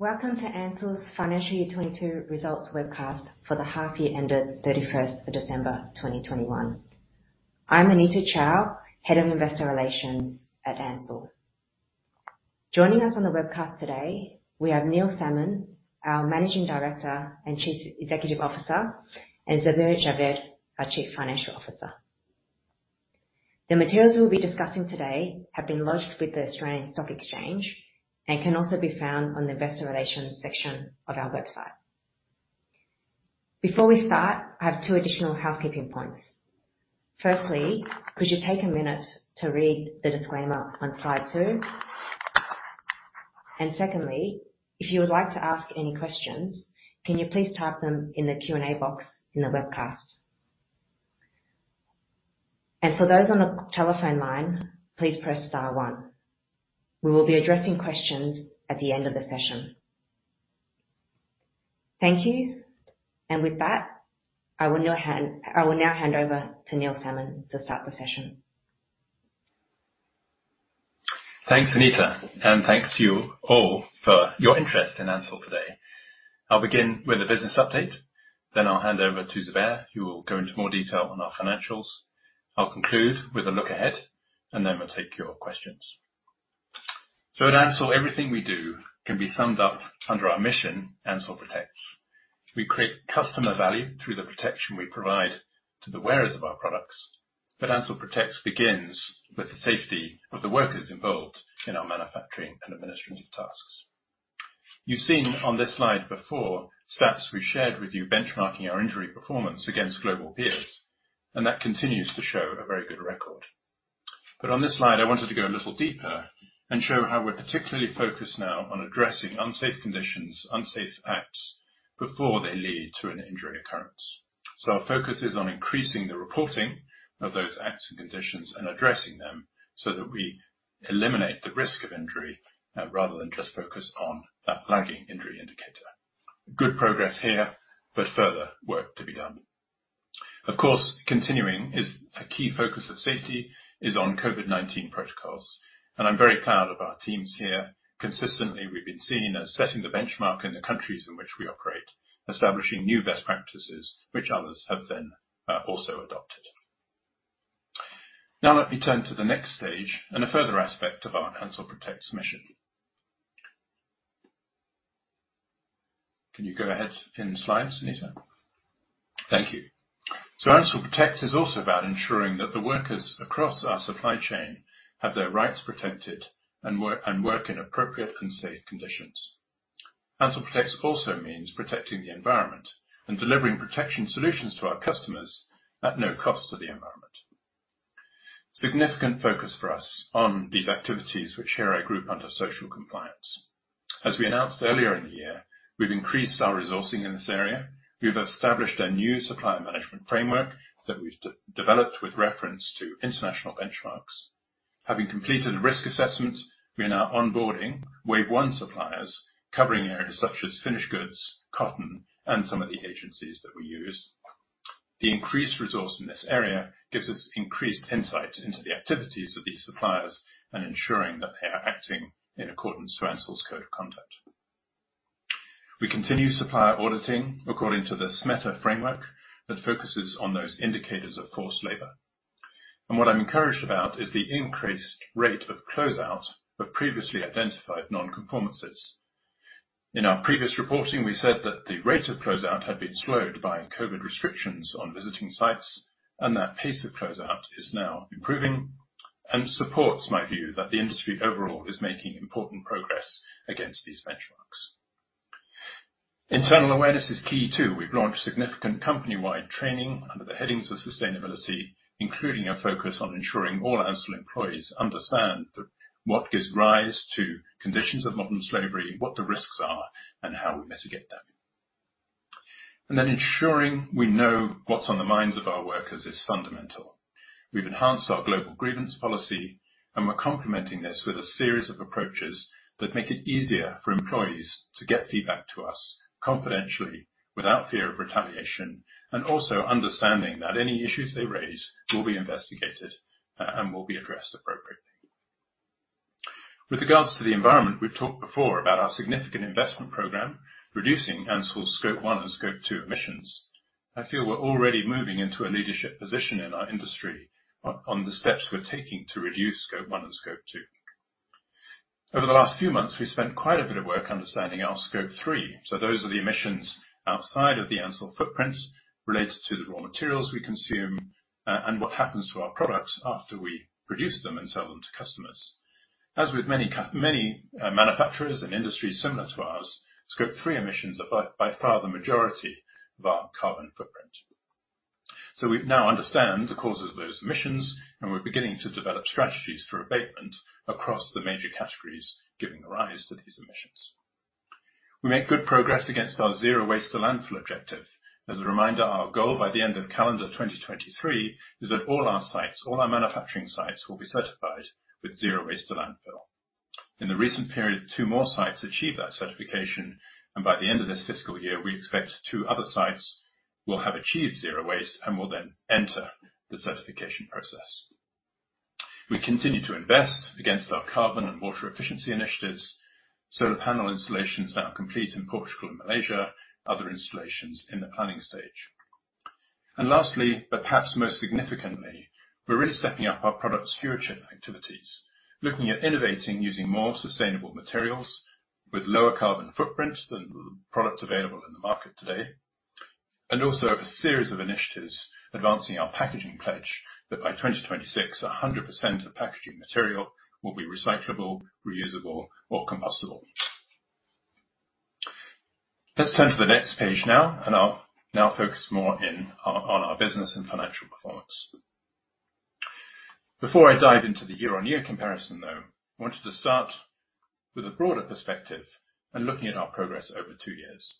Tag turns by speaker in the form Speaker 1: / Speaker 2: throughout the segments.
Speaker 1: Welcome to Ansell's Financial Year 2022 Results webcast for the half year ended 31st of December 2021. I'm Anita Chow, Head of Investor Relations at Ansell. Joining us on the webcast today, we have Neil Salmon, our Managing Director and Chief Executive Officer, and Zubair Javeed, our Chief Financial Officer. The materials we'll be discussing today have been lodged with the Australian Stock Exchange and can also be found on the investor relations section of our website. Before we start, I have 2 additional housekeeping points. Firstly, could you take a minute to read the disclaimer on slide 2? Secondly, if you would like to ask any questions, can you please type them in the Q&A box in the webcast. For those on the telephone line, please press star one. We will be addressing questions at the end of the session. Thank you. With that, I will now hand over to Neil Salmon to start the session.
Speaker 2: Thanks, Anita, and thanks to you all for your interest in Ansell today. I'll begin with a business update, then I'll hand over to Zubair, who will go into more detail on our financials. I'll conclude with a look ahead, and then we'll take your questions. At Ansell, everything we do can be summed up under our mission, Ansell Protects. We create customer value through the protection we provide to the wearers of our products. Ansell Protects begins with the safety of the workers involved in our manufacturing and administrative tasks. You've seen on this slide before stats we shared with you benchmarking our injury performance against global peers, and that continues to show a very good record. On this slide, I wanted to go a little deeper and show how we're particularly focused now on addressing unsafe conditions, unsafe acts before they lead to an injury occurrence. Our focus is on increasing the reporting of those acts and conditions and addressing them so that we eliminate the risk of injury rather than just focus on that lagging injury indicator. Good progress here, but further work to be done. Of course, continuing is a key focus of safety on COVID-19 protocols, and I'm very proud of our teams here. Consistently, we've been seen as setting the benchmark in the countries in which we operate, establishing new best practices which others have then also adopted. Now let me turn to the next stage and a further aspect of our Ansell Protects mission. Can you go ahead in the slides, Anita? Thank you. Ansell Protects is also about ensuring that the workers across our supply chain have their rights protected and work in appropriate and safe conditions. Ansell Protects also means protecting the environment and delivering protection solutions to our customers at no cost to the environment. Significant focus for us on these activities which shape our group under social compliance. As we announced earlier in the year, we've increased our resourcing in this area. We have established a new supplier management framework that we've developed with reference to international benchmarks. Having completed a risk assessment, we are now onboarding Wave 1 suppliers covering areas such as finished goods, cotton, and some of the agencies that we use. The increased resource in this area gives us increased insight into the activities of these suppliers and ensuring that they are acting in accordance with Ansell's code of conduct. We continue supplier auditing according to the SMETA framework that focuses on those indicators of forced labor. What I'm encouraged about is the increased rate of closeout of previously identified non-conformances. In our previous reporting, we said that the rate of closeout had been slowed by COVID restrictions on visiting sites, and that pace of closeout is now improving and supports my view that the industry overall is making important progress against these benchmarks. Internal awareness is key too. We've launched significant company-wide training under the headings of sustainability, including a focus on ensuring all Ansell employees understand that what gives rise to conditions of modern slavery, what the risks are, and how we mitigate them. Ensuring we know what's on the minds of our workers is fundamental. We've enhanced our global grievance policy, and we're complementing this with a series of approaches that make it easier for employees to get feedback to us confidentially without fear of retaliation, and also understanding that any issues they raise will be investigated, and will be addressed appropriately. With regards to the environment, we've talked before about our significant investment program, reducing Ansell's Scope 1 and Scope 2 emissions. I feel we're already moving into a leadership position in our industry on the steps we're taking to reduce Scope 1 and Scope 2. Over the last few months, we've spent quite a bit of work understanding our Scope 3. So those are the emissions outside of the Ansell footprint related to the raw materials we consume, and what happens to our products after we produce them and sell them to customers. As with many manufacturers and industries similar to ours, Scope 3 emissions are by far the majority of our carbon footprint. We now understand the causes of those emissions, and we're beginning to develop strategies for abatement across the major categories giving rise to these emissions. We make good progress against our zero waste to landfill objective. As a reminder, our goal by the end of calendar 2023 is that all our sites, all our manufacturing sites, will be certified with zero waste to landfill. In the recent period, two more sites achieved that certification, and by the end of this fiscal year, we expect two other sites will have achieved zero waste and will then enter the certification process. We continue to invest against our carbon and water efficiency initiatives. Solar panel installation is now complete in Portugal and Malaysia, other installations in the planning stage. Lastly, but perhaps most significantly, we're really stepping up our product stewardship activities, looking at innovating using more sustainable materials with lower carbon footprint than the products available in the market today. Also have a series of initiatives advancing our packaging pledge that by 2026, 100% of packaging material will be recyclable, reusable or compostable. Let's turn to the next page now, and I'll now focus more in on our business and financial performance. Before I dive into the year-on-year comparison, though, I wanted to start with a broader perspective and looking at our progress over two years.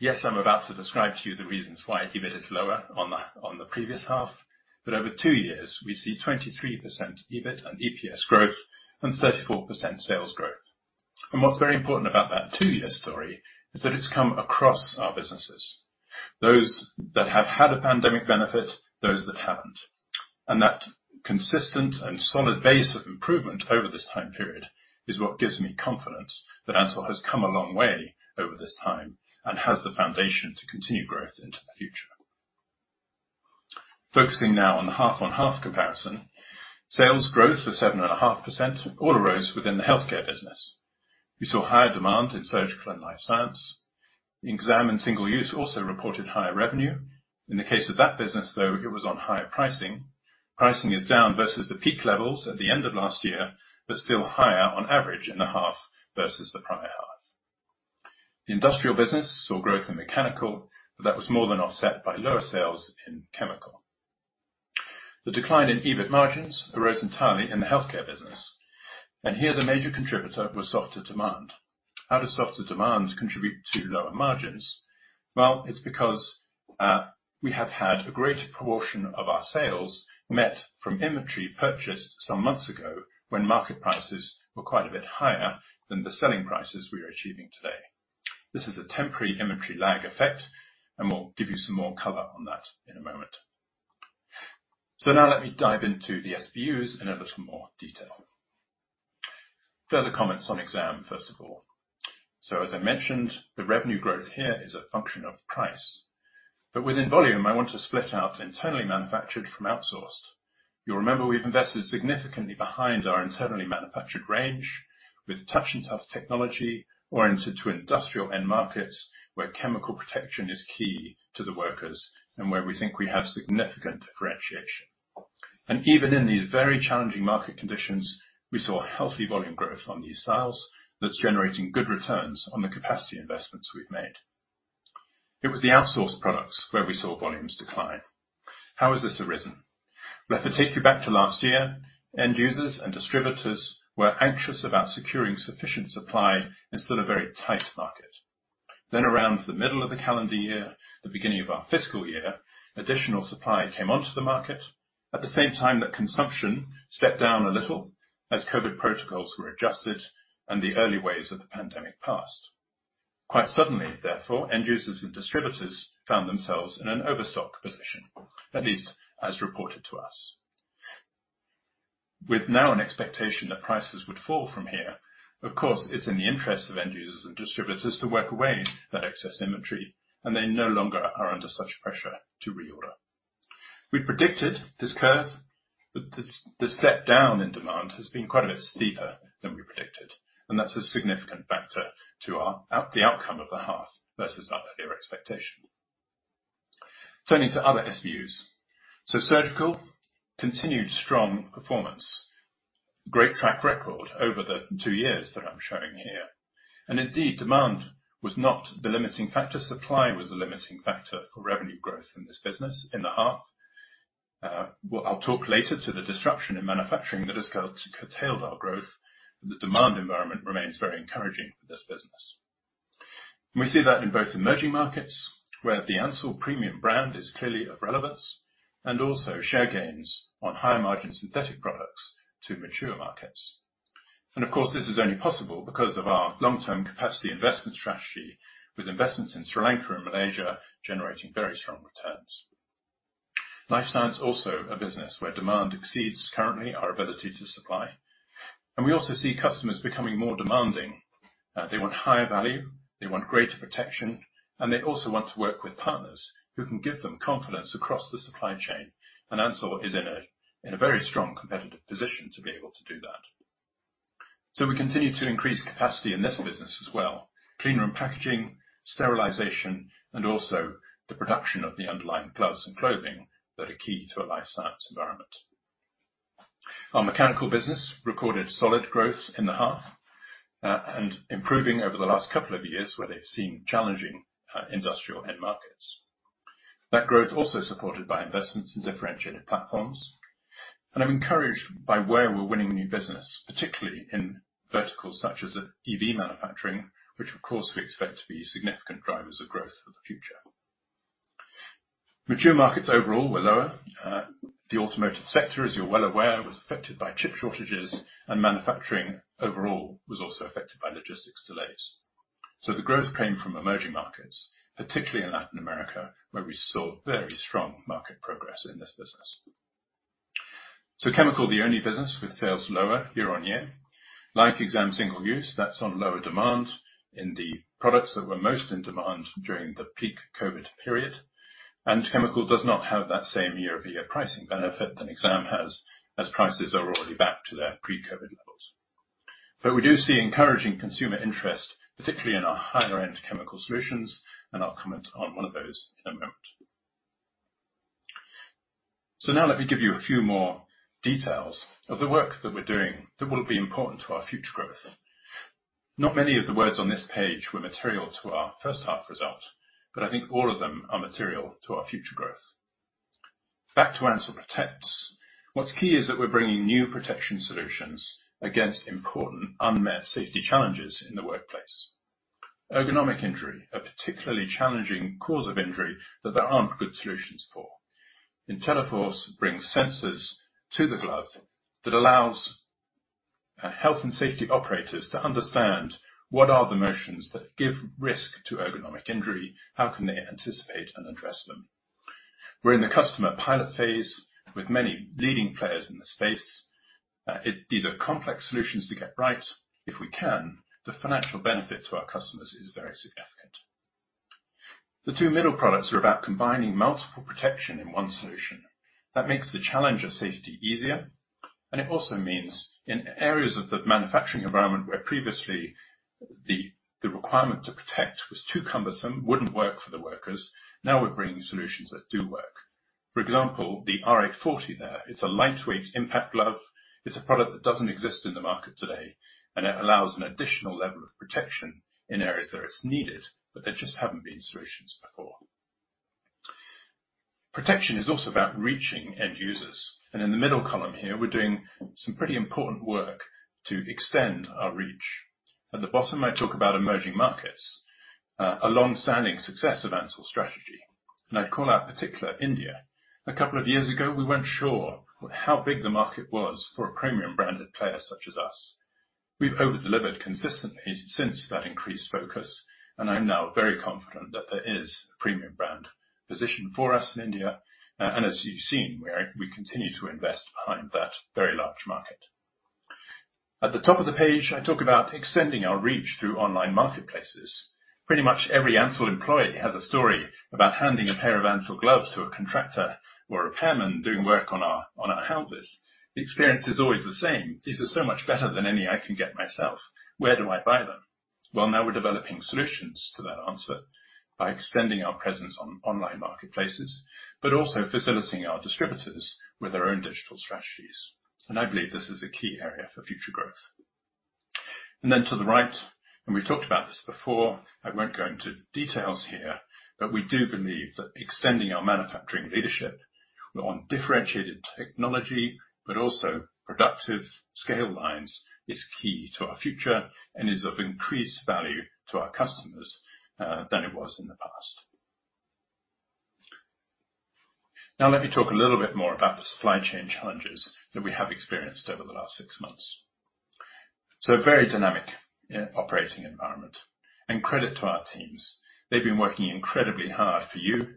Speaker 2: Yes, I'm about to describe to you the reasons why EBIT is lower on the previous half. Over 2 years, we see 23% EBIT and EPS growth and 34% sales growth. What's very important about that 2-year story is that it's come across our businesses, those that have had a pandemic benefit, those that haven't. That consistent and solid base of improvement over this time period is what gives me confidence that Ansell has come a long way over this time and has the foundation to continue growth into the future. Focusing now on the half-on-half comparison. Sales growth was 7.5%, all arose within the healthcare business. We saw higher demand in surgical and life science. Exam and single-use also reported higher revenue. In the case of that business though, it was on higher pricing. Pricing is down versus the peak levels at the end of last year, but still higher on average in the half versus the prior half. The industrial business saw growth in mechanical, but that was more than offset by lower sales in chemical. The decline in EBIT margins arose entirely in the healthcare business, and here the major contributor was softer demand. How does softer demand contribute to lower margins? Well, it's because we have had a greater proportion of our sales met from inventory purchased some months ago, when market prices were quite a bit higher than the selling prices we are achieving today. This is a temporary inventory lag effect, and we'll give you some more color on that in a moment. Now let me dive into the SBUs in a little more detail. Further comments on exam, first of all. As I mentioned, the revenue growth here is a function of price. Within volume, I want to split out internally manufactured from outsourced. You'll remember we've invested significantly behind our internally manufactured range with TouchNTuff technology oriented to industrial end markets, where chemical protection is key to the workers and where we think we have significant differentiation. Even in these very challenging market conditions, we saw healthy volume growth on these styles that's generating good returns on the capacity investments we've made. It was the outsourced products where we saw volumes decline. How has this arisen? We have to take you back to last year. End users and distributors were anxious about securing sufficient supply in still a very tight market. Around the middle of the calendar year, the beginning of our fiscal year, additional supply came onto the market. At the same time that consumption stepped down a little as COVID protocols were adjusted and the early waves of the pandemic passed. Quite suddenly, therefore, end users and distributors found themselves in an overstock position, at least as reported to us. With now an expectation that prices would fall from here, of course, it's in the interest of end users and distributors to work away that excess inventory, and they no longer are under such pressure to reorder. We predicted this curve, but the step down in demand has been quite a bit steeper than we predicted, and that's a significant factor to the outcome of the half versus our earlier expectation. Turning to other SBUs. Surgical continued strong performance, great track record over the two years that I'm showing here. Indeed, demand was not the limiting factor. Supply was the limiting factor for revenue growth in this business in the half. Well, I'll talk later to the disruption in manufacturing that has curtailed our growth. The demand environment remains very encouraging for this business. We see that in both emerging markets, where the Ansell premium brand is clearly of relevance and also share gains on higher margin synthetic products to mature markets. Of course, this is only possible because of our long-term capacity investment strategy with investments in Sri Lanka and Malaysia generating very strong returns. Life science also a business where demand exceeds currently our ability to supply. We also see customers becoming more demanding. They want higher value, they want greater protection, and they also want to work with partners who can give them confidence across the supply chain, and Ansell is in a very strong competitive position to be able to do that. We continue to increase capacity in this business as well, clean room packaging, sterilization, and also the production of the underlying gloves and clothing that are key to a life science environment. Our mechanical business recorded solid growth in the half, and improving over the last couple of years where they've seen challenging industrial end markets. That growth also supported by investments in differentiated platforms. I'm encouraged by where we're winning new business, particularly in verticals such as EV manufacturing, which of course we expect to be significant drivers of growth for the future. Mature markets overall were lower. The automotive sector, as you're well aware, was affected by chip shortages, and manufacturing overall was also affected by logistics delays. The growth came from emerging markets, particularly in Latin America, where we saw very strong market progress in this business. Chemical, the only business with sales lower year-over-year, like Exam single use, that's on lower demand in the products that were most in demand during the peak COVID period. Chemical does not have that same year-over-year pricing benefit that Exam has, as prices are already back to their pre-COVID levels. We do see encouraging consumer interest, particularly in our higher end chemical solutions, and I'll comment on one of those in a moment. Now let me give you a few more details of the work that we're doing that will be important to our future growth. Not many of the words on this page were material to our first half result, but I think all of them are material to our future growth. Back to Ansell Protects. What's key is that we're bringing new protection solutions against important unmet safety challenges in the workplace. Ergonomic injury, a particularly challenging cause of injury that there aren't good solutions for. Inteliforz brings sensors to the glove that allows health and safety operators to understand what are the motions that give risk to ergonomic injury, how can they anticipate and address them. We're in the customer pilot phase with many leading players in the space. These are complex solutions to get right. If we can, the financial benefit to our customers is very significant. The two middle products are about combining multiple protection in one solution. That makes the challenge of safety easier, and it also means in areas of the manufacturing environment where previously the requirement to protect was too cumbersome, wouldn't work for the workers, now we're bringing solutions that do work. For example, the R-840 there, it's a lightweight impact glove. It's a product that doesn't exist in the market today, and it allows an additional level of protection in areas where it's needed, but there just haven't been solutions before. Protection is also about reaching end users. In the middle column here, we're doing some pretty important work to extend our reach. At the bottom, I talk about emerging markets, a long-standing success of Ansell strategy, and I call out particular India. A couple of years ago, we weren't sure how big the market was for a premium branded player such as us. We've over-delivered consistently since that increased focus, and I'm now very confident that there is a premium brand position for us in India. As you've seen, we continue to invest behind that very large market. At the top of the page, I talk about extending our reach through online marketplaces. Pretty much every Ansell employee has a story about handing a pair of Ansell gloves to a contractor or a pair man doing work on our houses. The experience is always the same. "These are so much better than any I can get myself. Where do I buy them?" Well, now we're developing solutions to that answer by extending our presence on online marketplaces, but also facilitating our distributors with their own digital strategies. I believe this is a key area for future growth. Then to the right, and we've talked about this before, I won't go into details here, but we do believe that extending our manufacturing leadership on differentiated technology, but also productive scale lines, is key to our future and is of increased value to our customers, than it was in the past. Now let me talk a little bit more about the supply chain challenges that we have experienced over the last six months. A very dynamic, operating environment. Credit to our teams, they've been working incredibly hard for you,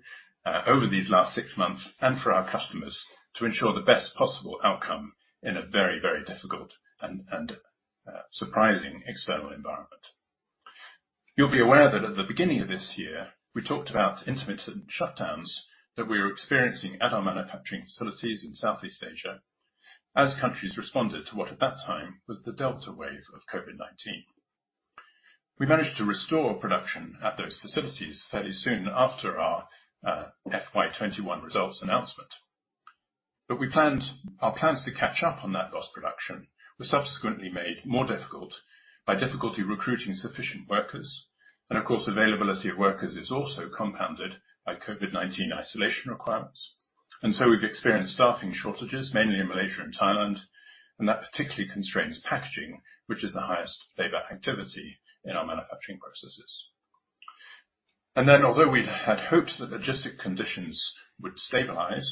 Speaker 2: over these last six months and for our customers to ensure the best possible outcome in a very, very difficult and, surprising external environment. You'll be aware that at the beginning of this year, we talked about intermittent shutdowns that we were experiencing at our manufacturing facilities in Southeast Asia as countries responded to what at that time was the Delta wave of COVID-19. We managed to restore production at those facilities fairly soon after our FY 2021 results announcement. Our plans to catch up on that lost production were subsequently made more difficult by difficulty recruiting sufficient workers. Of course, availability of workers is also compounded by COVID-19 isolation requirements. We've experienced staffing shortages, mainly in Malaysia and Thailand, and that particularly constrains packaging, which is the highest labor activity in our manufacturing processes. Although we had hopes that logistic conditions would stabilize,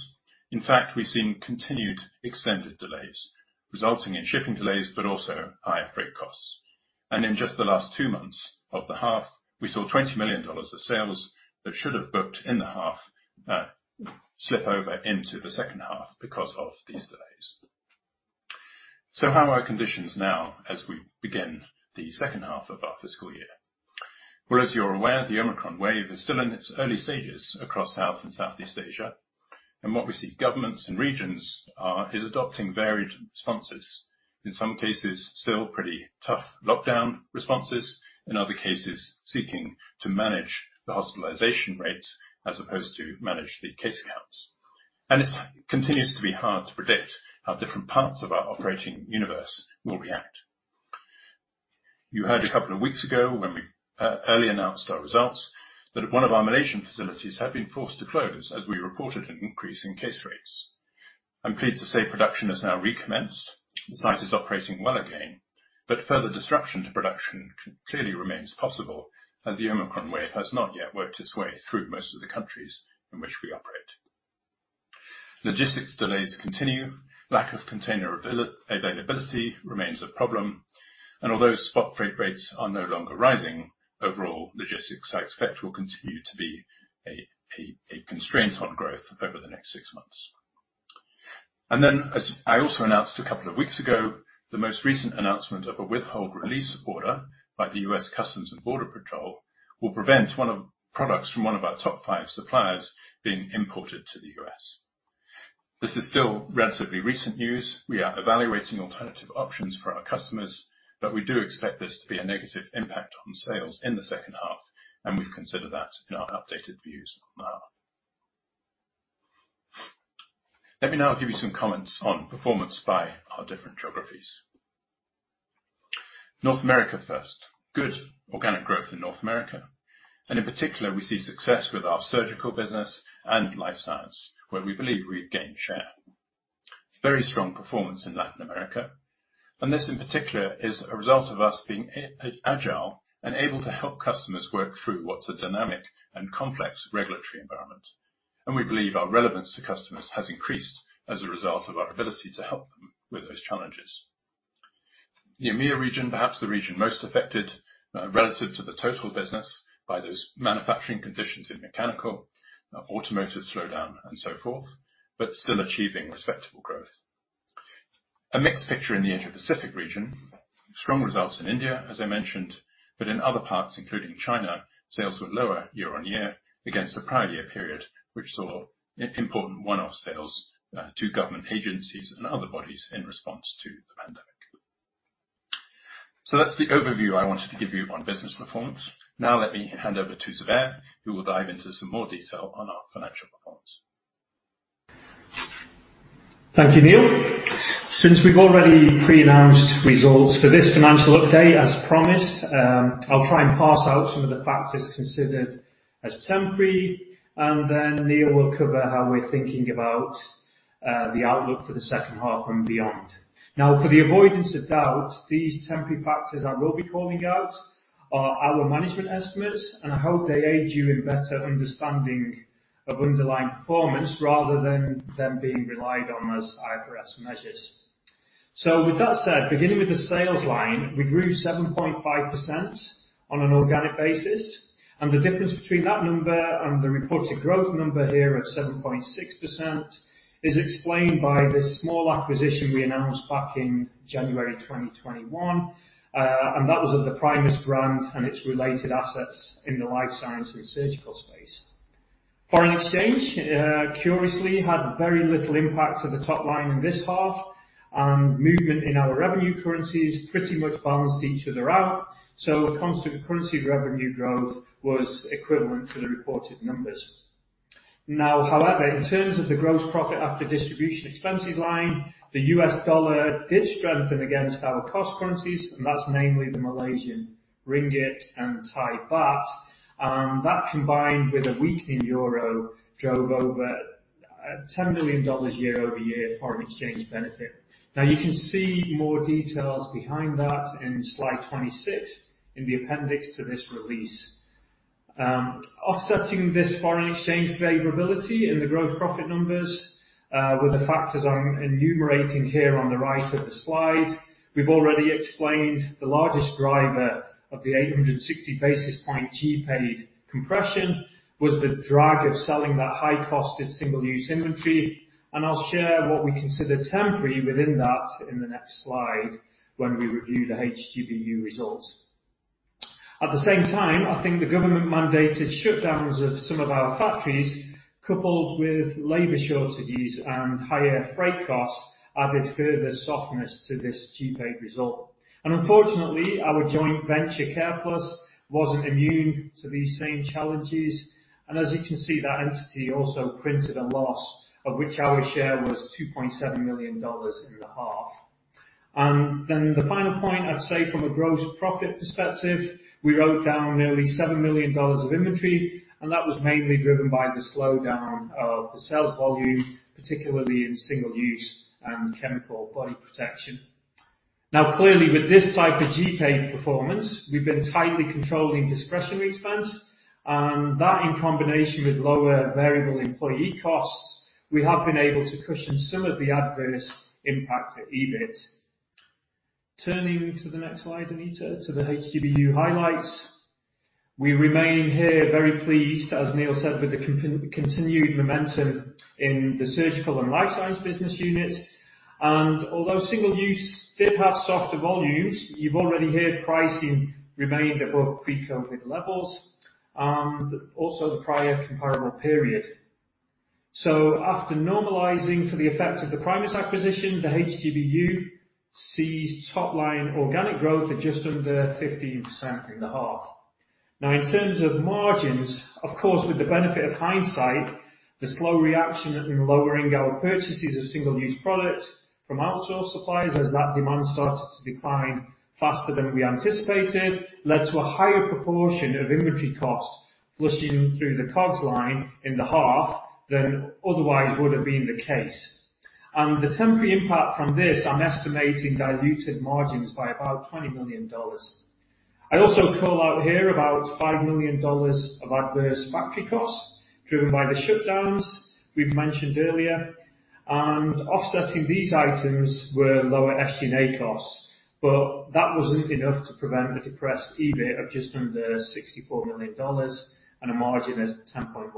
Speaker 2: in fact, we've seen continued extended delays resulting in shipping delays but also higher freight costs. In just the last two months of the half, we saw $20 million of sales that should have booked in the half, slip over into the second half because of these delays. How are conditions now as we begin the second half of our fiscal year? Well, as you're aware, the Omicron wave is still in its early stages across South and Southeast Asia. What we see governments and regions is adopting varied responses. In some cases, still pretty tough lockdown responses. In other cases, seeking to manage the hospitalization rates as opposed to manage the case counts. It continues to be hard to predict how different parts of our operating universe will react. You heard a couple of weeks ago when we early announced our results that one of our Malaysian facilities had been forced to close as we reported an increase in case rates. I'm pleased to say production has now recommenced. The site is operating well again, but further disruption to production clearly remains possible, as the Omicron wave has not yet worked its way through most of the countries in which we operate. Logistics delays continue. Lack of container availability remains a problem, and although spot freight rates are no longer rising, overall logistics I expect will continue to be a constraint on growth over the next six months. As I also announced a couple of weeks ago, the most recent announcement of a Withhold Release Order by the U.S. Customs and Border Protection will prevent one of our products from one of our top five suppliers being imported to the U.S. This is still relatively recent news. We are evaluating alternative options for our customers, but we do expect this to be a negative impact on sales in the second half, and we've considered that in our updated views on the half. Let me now give you some comments on performance by our different geographies. North America first. Good organic growth in North America, and in particular, we see success with our surgical business and life science, where we believe we have gained share. Very strong performance in Latin America, and this in particular is a result of us being agile and able to help customers work through what's a dynamic and complex regulatory environment. We believe our relevance to customers has increased as a result of our ability to help them with those challenges. The EMEIA region, perhaps the region most affected relative to the total business by those manufacturing conditions in mechanical, automotive slowdown and so forth, but still achieving respectable growth. A mixed picture in the Asia Pacific region. Strong results in India, as I mentioned, but in other parts, including China, sales were lower year-on-year against the prior year period, which saw important one-off sales to government agencies and other bodies in response to the pandemic. That's the overview I wanted to give you on business performance. Now let me hand over to Zubair Javeed, who will dive into some more detail on our financial performance.
Speaker 3: Thank you, Neil. Since we've already pre-announced results for this financial update, as promised, I'll try and parse out some of the factors considered as temporary, and then Neil will cover how we're thinking about the outlook for the second half and beyond. Now, for the avoidance of doubt, these temporary factors I will be calling out are our management estimates, and I hope they aid you in better understanding of underlying performance rather than them being relied on as IFRS measures. With that said, beginning with the sales line, we grew 7.5% on an organic basis, and the difference between that number and the reported growth number here of 7.6% is explained by the small acquisition we announced back in January 2021, and that was of the Primus brand and its related assets in the life science and surgical space. Foreign exchange, curiously, had very little impact on the top line in this half, and movement in our revenue currencies pretty much balanced each other out. Constant currency revenue growth was equivalent to the reported numbers. Now, however, in terms of the gross profit after distribution expenses line, the U.S. dollar did strengthen against our cost currencies, and that's namely the Malaysian ringgit and Thai baht. That, combined with a weakening euro, drove over $10 million year-over-year foreign exchange benefit. Now you can see more details behind that in slide 26 in the appendix to this release. Offsetting this foreign exchange favorability in the gross profit numbers were the factors I'm enumerating here on the right of the slide. We've already explained the largest driver of the 860 basis points GPADE compression was the drag of selling that high-costed single-use inventory, and I'll share what we consider temporary within that in the next slide when we review the HGBU results. At the same time, I think the government-mandated shutdowns of some of our factories, coupled with labor shortages and higher freight costs, added further softness to this GPADE result. Unfortunately, our joint venture, Careplus, wasn't immune to these same challenges. As you can see, that entity also printed a loss, of which our share was $2.7 million in the half. The final point, I'd say from a gross profit perspective, we wrote down nearly $7 million of inventory, and that was mainly driven by the slowdown of the sales volume, particularly in single use and chemical body protection. Now, clearly, with this type of GPADE performance, we've been tightly controlling discretionary expense, and that in combination with lower variable employee costs, we have been able to cushion some of the adverse impact at EBIT. Turning to the next slide, Anita, to the HGBU highlights. We remain here very pleased, as Neil said, with the continued momentum in the surgical and life science business units. Although single-use did have softer volumes, you've already heard pricing remained above pre-COVID levels, and also the prior comparable period. After normalizing for the effect of the Primus acquisition, the HGBU sees top line organic growth at just under 15% in the half. Now in terms of margins, of course, with the benefit of hindsight, the slow reaction in lowering our purchases of single-use products from outsourced suppliers as that demand started to decline faster than we anticipated, led to a higher proportion of inventory costs flushing through the COGS line in the half than otherwise would have been the case. The temporary impact from this, I'm estimating diluted margins by about 20 million dollars. I also call out here about 5 million dollars of adverse factory costs driven by the shutdowns we've mentioned earlier. Offsetting these items were lower SG&A costs, but that wasn't enough to prevent a depressed EBIT of just under 64 million dollars and a margin of 10.1%.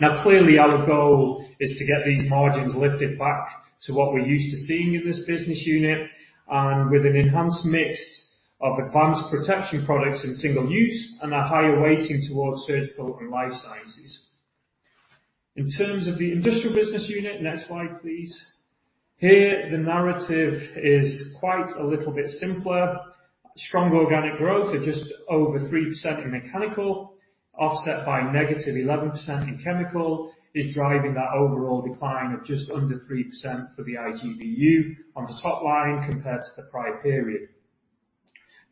Speaker 3: Now, clearly our goal is to get these margins lifted back to what we're used to seeing in this business unit and with an enhanced mix of advanced protection products in single-use and a higher weighting towards surgical and life sciences. In terms of the industrial business unit, next slide please. Here, the narrative is quite a little bit simpler. Strong organic growth of just over 3% in mechanical, offset by negative 11% in chemical, is driving that overall decline of just under 3% for the IGBU on the top line compared to the prior period.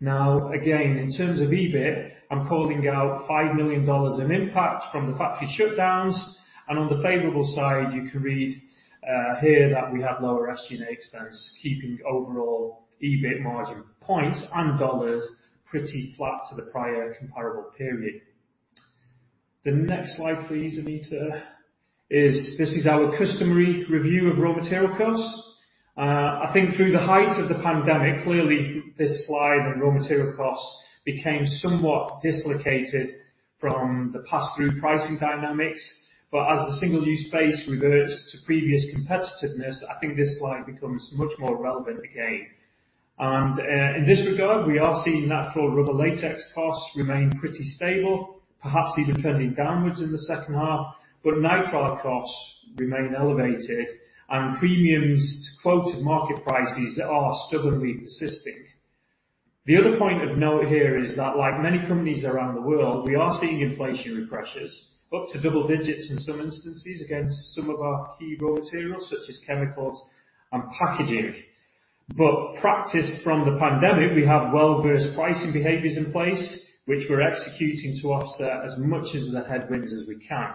Speaker 3: Now, again, in terms of EBIT, I'm calling out 5 million dollars in impact from the factory shutdowns. On the favorable side, you can read here that we have lower SG&A expense, keeping overall EBIT margin points and dollars pretty flat to the prior comparable period. The next slide please, Anita. This is our customary review of raw material costs. I think through the height of the pandemic, clearly this slide on raw material costs became somewhat dislocated from the pass-through pricing dynamics. As the single-use space reverts to previous competitiveness, I think this slide becomes much more relevant again. In this regard, we are seeing natural rubber latex costs remain pretty stable, perhaps even trending downwards in the second half. Nitrile costs remain elevated, and premiums to quoted market prices are stubbornly persisting. The other point of note here is that like many companies around the world, we are seeing inflationary pressures, up to double digits in some instances against some of our key raw materials such as chemicals and packaging. Practice from the pandemic, we have well-versed pricing behaviors in place, which we're executing to offset as much as the headwinds as we can.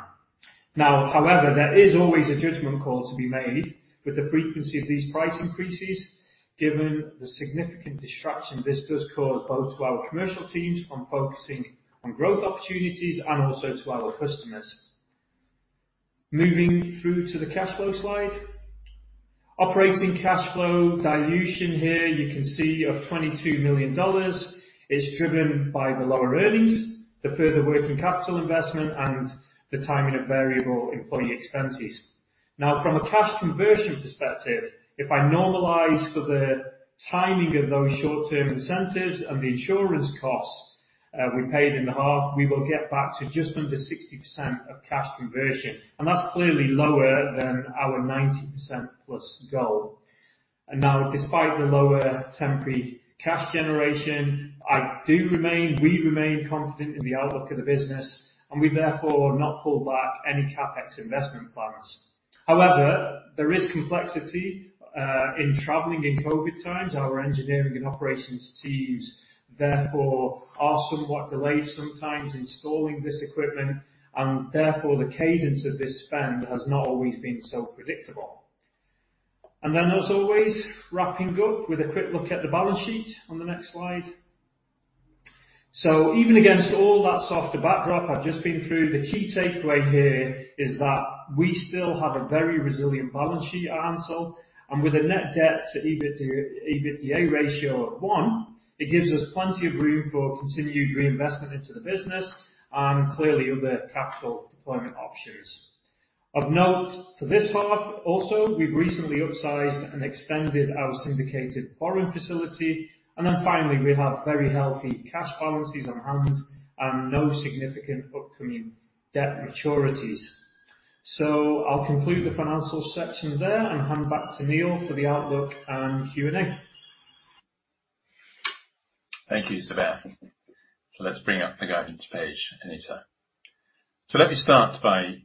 Speaker 3: Now, however, there is always a judgment call to be made with the frequency of these price increases, given the significant distraction this does cause both to our commercial teams from focusing on growth opportunities and also to our customers. Moving through to the cash flow slide. Operating cash flow dilution here you can see of 22 million dollars is driven by the lower earnings, the further working capital investment, and the timing of variable employee expenses. Now from a cash conversion perspective, if I normalize for the timing of those short-term incentives and the insurance costs, we paid in the half, we will get back to just under 60% of cash conversion, and that's clearly lower than our 90%+ goal. Now despite the lower temporary cash generation, we remain confident in the outlook of the business and we therefore have not pulled back any CapEx investment plans. However, there is complexity in traveling in COVID times. Our engineering and operations teams therefore are somewhat delayed sometimes installing this equipment and therefore the cadence of this spend has not always been so predictable. Then as always, wrapping up with a quick look at the balance sheet on the next slide. Even against all that softer backdrop I've just been through, the key takeaway here is that we still have a very resilient balance sheet at Ansell, and with a net debt to EBITDA ratio of one, it gives us plenty of room for continued reinvestment into the business and clearly other capital deployment options. Of note for this half, also, we've recently upsized and extended our syndicated borrowing facility, and then finally, we have very healthy cash balances on hand and no significant upcoming debt maturities. I'll conclude the financial section there and hand back to Neil for the outlook and Q&A.
Speaker 2: Thank you, Zubair Javeed. Let's bring up the guidance page, Anita Chow. Let me start by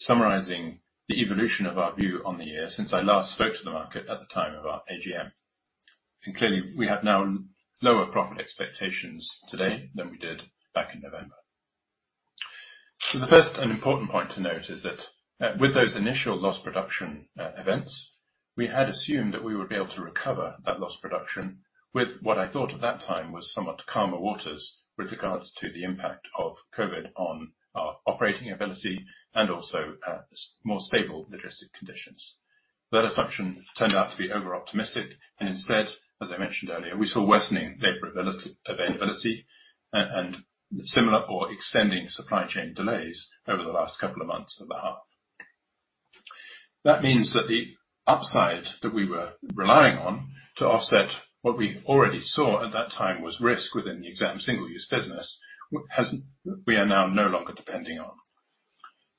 Speaker 2: summarizing the evolution of our view on the year since I last spoke to the market at the time of our AGM. Clearly, we have now lower profit expectations today than we did back in November. The first and important point to note is that with those initial lost production events, we had assumed that we would be able to recover that lost production with what I thought at that time was somewhat calmer waters with regards to the impact of COVID on our operating ability and also more stable logistics conditions. That assumption turned out to be over-optimistic. Instead, as I mentioned earlier, we saw worsening labor availability and similar or extending supply chain delays over the last couple of months of the half. That means that the upside that we were relying on to offset what we already saw at that time was risk within the exam single-use business we are now no longer depending on.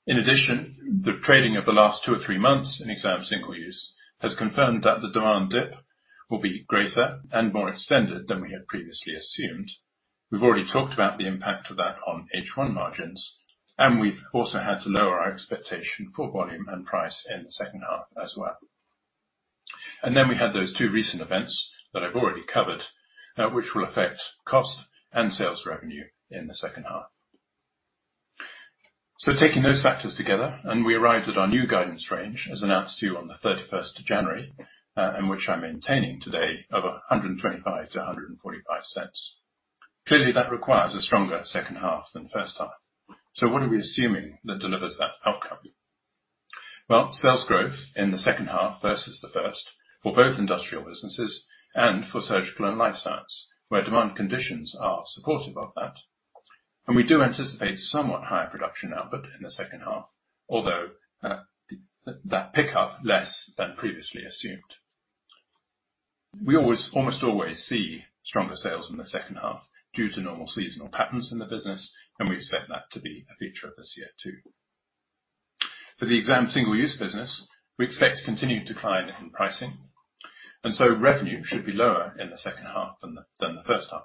Speaker 2: In addition, the trading of the last two or three months in exam single-use has confirmed that the demand dip will be greater and more extended than we had previously assumed. We've already talked about the impact of that on H1 margins, and we've also had to lower our expectation for volume and price in the second half as well. We had those two recent events that I've already covered, which will affect cost and sales revenue in the second half. Taking those factors together, we arrived at our new guidance range as announced to you on the thirty-first of January, and which I'm maintaining today of 125-145 cents. Clearly, that requires a stronger second half than first half. What are we assuming that delivers that outcome? Well, sales growth in the second half versus the first, for both industrial businesses and for surgical and life science, where demand conditions are supportive of that. We do anticipate somewhat higher production output in the second half, although that pick up less than previously assumed. We almost always see stronger sales in the second half due to normal seasonal patterns in the business, and we expect that to be a feature of this year, too. For the exam single-use business, we expect continued decline in pricing, and so revenue should be lower in the second half than the first half.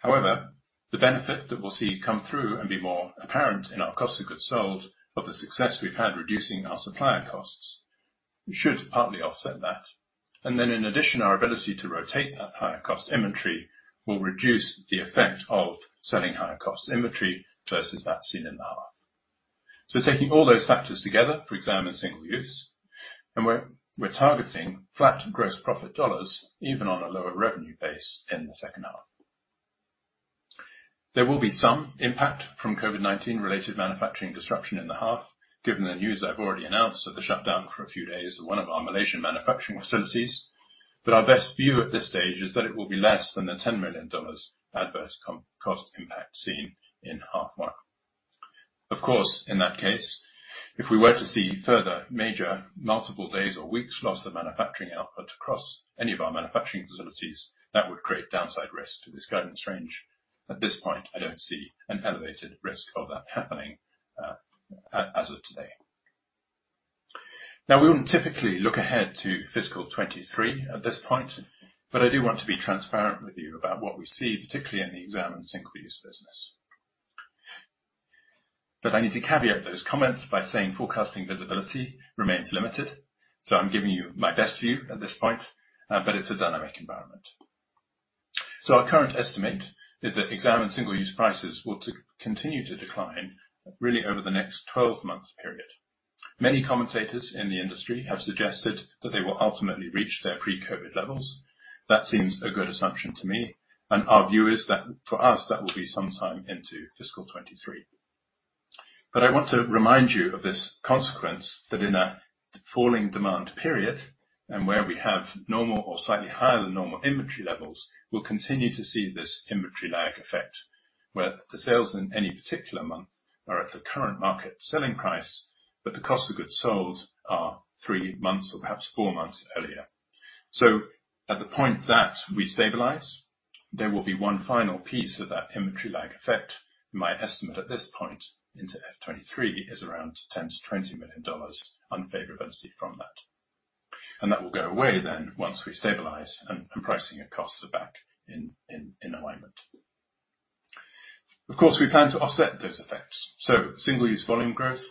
Speaker 2: However, the benefit that we'll see come through and be more apparent in our cost of goods sold of the success we've had reducing our supplier costs should partly offset that. In addition, our ability to rotate that higher cost inventory will reduce the effect of selling higher cost inventory versus that seen in the half. Taking all those factors together for exam and single-use, we're targeting flat gross profit dollars even on a lower revenue base in the second half. There will be some impact from COVID-19 related manufacturing disruption in the half, given the news I've already announced of the shutdown for a few days at one of our Malaysian manufacturing facilities. Our best view at this stage is that it will be less than the 10 million dollars adverse cost impact seen in half one. Of course, in that case, if we were to see further major multiple days or weeks loss of manufacturing output across any of our manufacturing facilities, that would create downside risk to this guidance range. At this point, I don't see an elevated risk of that happening, as of today. Now, we wouldn't typically look ahead to fiscal 2023 at this point, but I do want to be transparent with you about what we see, particularly in the exam and single-use business. I need to caveat those comments by saying forecasting visibility remains limited, so I'm giving you my best view at this point, but it's a dynamic environment. Our current estimate is that exam and single-use prices will continue to decline really over the next 12 months period. Many commentators in the industry have suggested that they will ultimately reach their pre-COVID levels. That seems a good assumption to me, and our view is that for us, that will be some time into fiscal 2023. I want to remind you of this consequence that in a falling demand period and where we have normal or slightly higher than normal inventory levels, we'll continue to see this inventory lag effect, where the sales in any particular month are at the current market selling price, but the cost of goods sold are 3 months or perhaps 4 months earlier. At the point that we stabilize, there will be one final piece of that inventory lag effect. My estimate at this point into FY 2023 is around $10 million-$20 million unfavorability from that. That will go away then once we stabilize and pricing and costs are back in alignment. Of course, we plan to offset those effects. Single-use volume growth,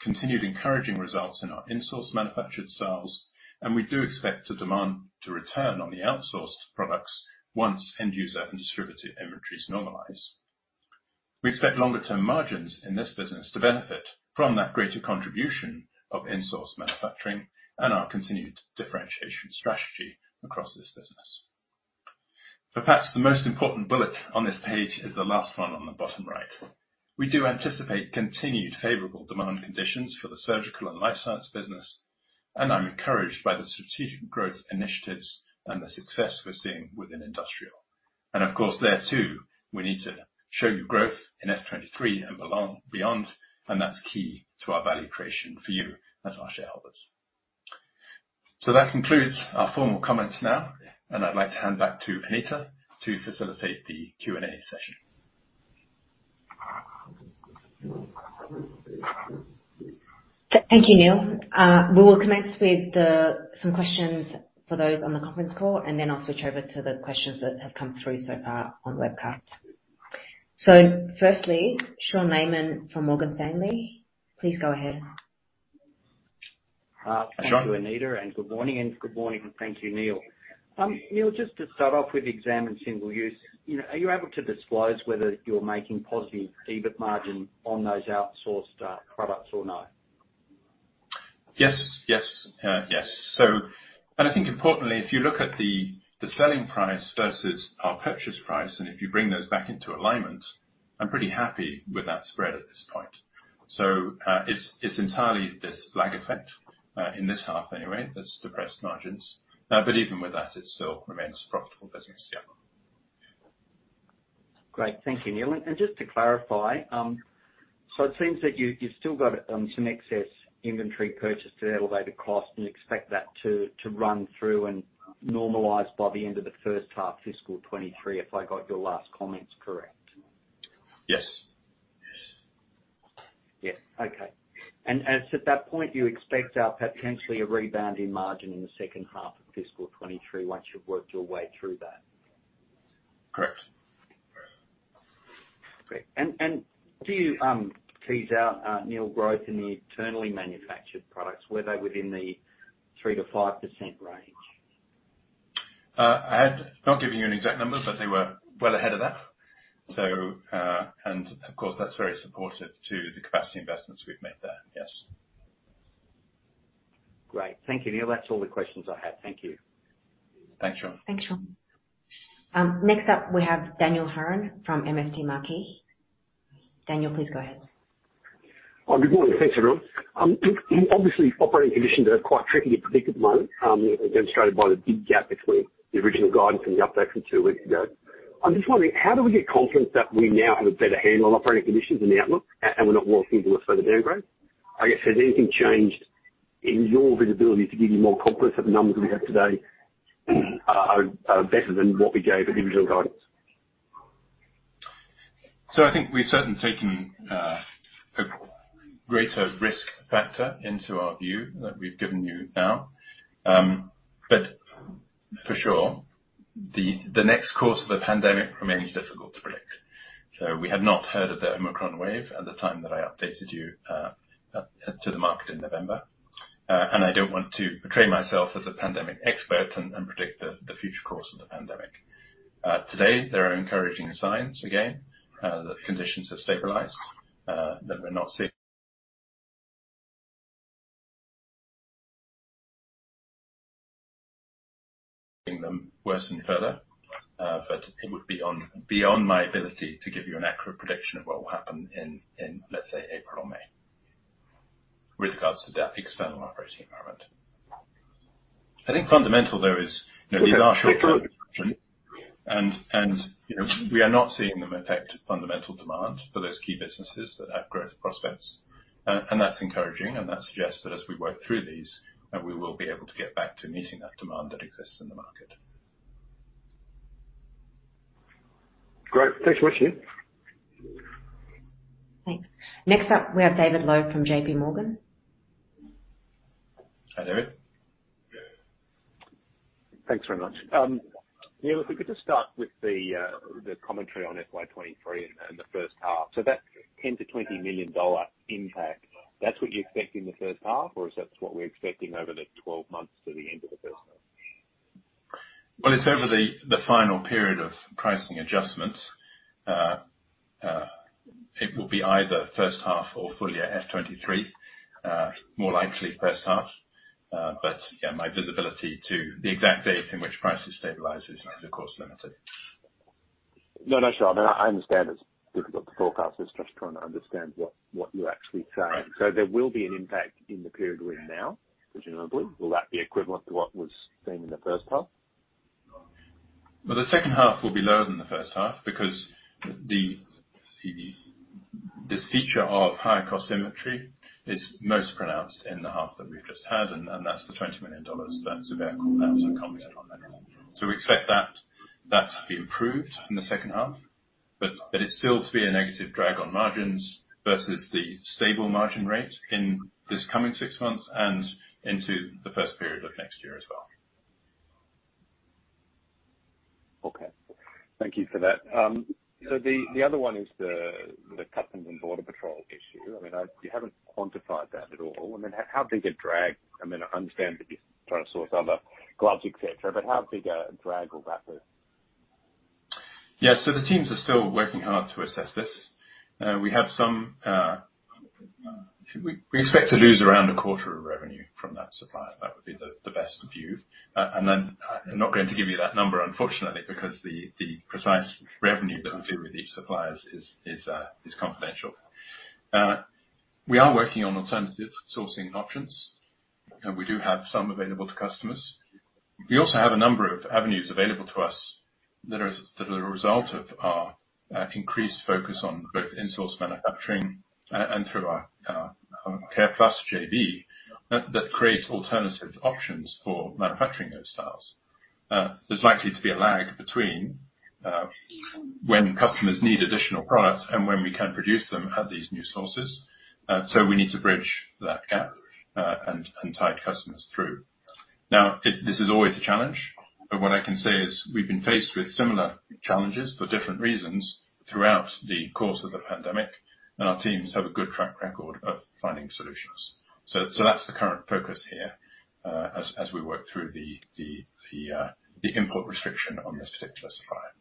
Speaker 2: continued encouraging results in our in-source manufactured sales, and we do expect the demand to return on the outsourced products once end user and distributor inventories normalize. We expect longer term margins in this business to benefit from that greater contribution of in-source manufacturing and our continued differentiation strategy across this business. Perhaps the most important bullet on this page is the last one on the bottom right. We do anticipate continued favorable demand conditions for the surgical and life science business, and I'm encouraged by the strategic growth initiatives and the success we're seeing within industrial. Of course there too, we need to show you growth in FY 2023 and beyond, and that's key to our value creation for you as our shareholders. That concludes our formal comments now, and I'd like to hand back to Anita to facilitate the Q&A session.
Speaker 1: Thank you, Neil. We will commence with some questions for those on the conference call, and then I'll switch over to the questions that have come through so far on the webcast. Firstly, Sean Laaman from Morgan Stanley, please go ahead.
Speaker 4: Thank you, Anita, and good morning. Good morning. Thank you, Neil. Neil, just to start off with exam and single use, you know, are you able to disclose whether you're making positive EBIT margin on those outsourced products or no?
Speaker 2: Yes. I think importantly, if you look at the selling price versus our purchase price, and if you bring those back into alignment, I'm pretty happy with that spread at this point. It's entirely this lag effect in this half anyway, that's depressed margins. Even with that, it still remains a profitable business, yeah.
Speaker 4: Great. Thank you, Neil. Just to clarify, so it seems that you've still got some excess inventory purchased at elevated cost and expect that to run through and normalize by the end of the first half fiscal 2023, if I got your last comments correct?
Speaker 2: Yes. Yes.
Speaker 4: Yes. Okay. As at that point, you expect potentially a rebound in margin in the second half of fiscal 2023, once you've worked your way through that?
Speaker 2: Correct.
Speaker 4: Great. Do you tease out, Neil, growth in the internally manufactured products? Were they within the 3%-5% range?
Speaker 2: Not giving you an exact number, but they were well ahead of that. Of course, that's very supportive to the capacity investments we've made there. Yes.
Speaker 4: Great. Thank you, Neil. That's all the questions I had. Thank you.
Speaker 2: Thanks, Sean.
Speaker 1: Thanks, Sean. Next up we have Dan Hurren from MST Marquee. Dan, please go ahead.
Speaker 5: Oh, good morning. Thanks, everyone. Obviously, operating conditions are quite tricky to predict at the moment, demonstrated by the big gap between the original guidance and the update from two weeks ago. I'm just wondering, how do we get confidence that we now have a better handle on operating conditions and the outlook, and we're not walking into a further downgrade? I guess, has anything changed in your visibility to give you more confidence that the numbers we have today are better than what we gave at the original guidance?
Speaker 2: I think we've certainly taken a greater risk factor into our view that we've given you now. For sure, the next course of the pandemic remains difficult to predict. We had not heard of the Omicron wave at the time that I updated you to the market in November. I don't want to portray myself as a pandemic expert and predict the future course of the pandemic. Today, there are encouraging signs, again, that conditions have stabilized, that we're not seeing them worsen further. It would be on beyond my ability to give you an accurate prediction of what will happen in, let's say, April or May with regards to the external operating environment. I think fundamental though is, you know, these are short and, you know, we are not seeing them affect fundamental demand for those key businesses that have growth prospects. That's encouraging, and that suggests that as we work through these, we will be able to get back to meeting that demand that exists in the market.
Speaker 5: Great. Thanks very much, Neil.
Speaker 1: Thanks. Next up we have David Low from J.P. Morgan.
Speaker 2: Hi, David.
Speaker 6: Thanks very much. Neil, if we could just start with the commentary on FY 2023 and the first half. That $10 million-$20 million impact, that's what you expect in the first half or is that what we're expecting over the 12 months to the end of the first half?
Speaker 2: Well, it's over the final period of pricing adjustments. It will be either first half or full year FY 2023. More likely first half. Yeah, my visibility to the exact date in which prices stabilizes is of course limited.
Speaker 6: No, no, sure. I mean, I understand it's difficult to forecast. I was just trying to understand what you're actually saying.
Speaker 2: Right.
Speaker 6: There will be an impact in the period we're in now, generally. Will that be equivalent to what was seen in the first half?
Speaker 2: Well, the second half will be lower than the first half because this feature of higher cost inventory is most pronounced in the half that we've just had, and that's the 20 million dollars. That's what we commented on. We expect that to be improved in the second half, but it's still to be a negative drag on margins versus the stable margin rate in this coming six months and into the first period of next year as well.
Speaker 6: Okay. Thank you for that. The other one is the Customs and Border Protection issue. I mean, you haven't quantified that at all. I mean, I understand that you're trying to source other gloves, et cetera, but how big a drag will that be?
Speaker 2: Yeah. The teams are still working hard to assess this. We expect to lose around a quarter of revenue from that supplier. That would be the best view. I'm not going to give you that number, unfortunately, because the precise revenue that we do with each supplier is confidential. We are working on alternative sourcing options, and we do have some available to customers. We also have a number of avenues available to us that are a result of our increased focus on both in-source manufacturing and through our Careplus JV that create alternative options for manufacturing those styles. There's likely to be a lag between when customers need additional products and when we can produce them at these new sources. We need to bridge that gap and tide customers through. This is always a challenge, but what I can say is we've been faced with similar challenges for different reasons throughout the course of the pandemic, and our teams have a good track record of finding solutions. That's the current focus here, as we work through the import restriction on this particular supplier.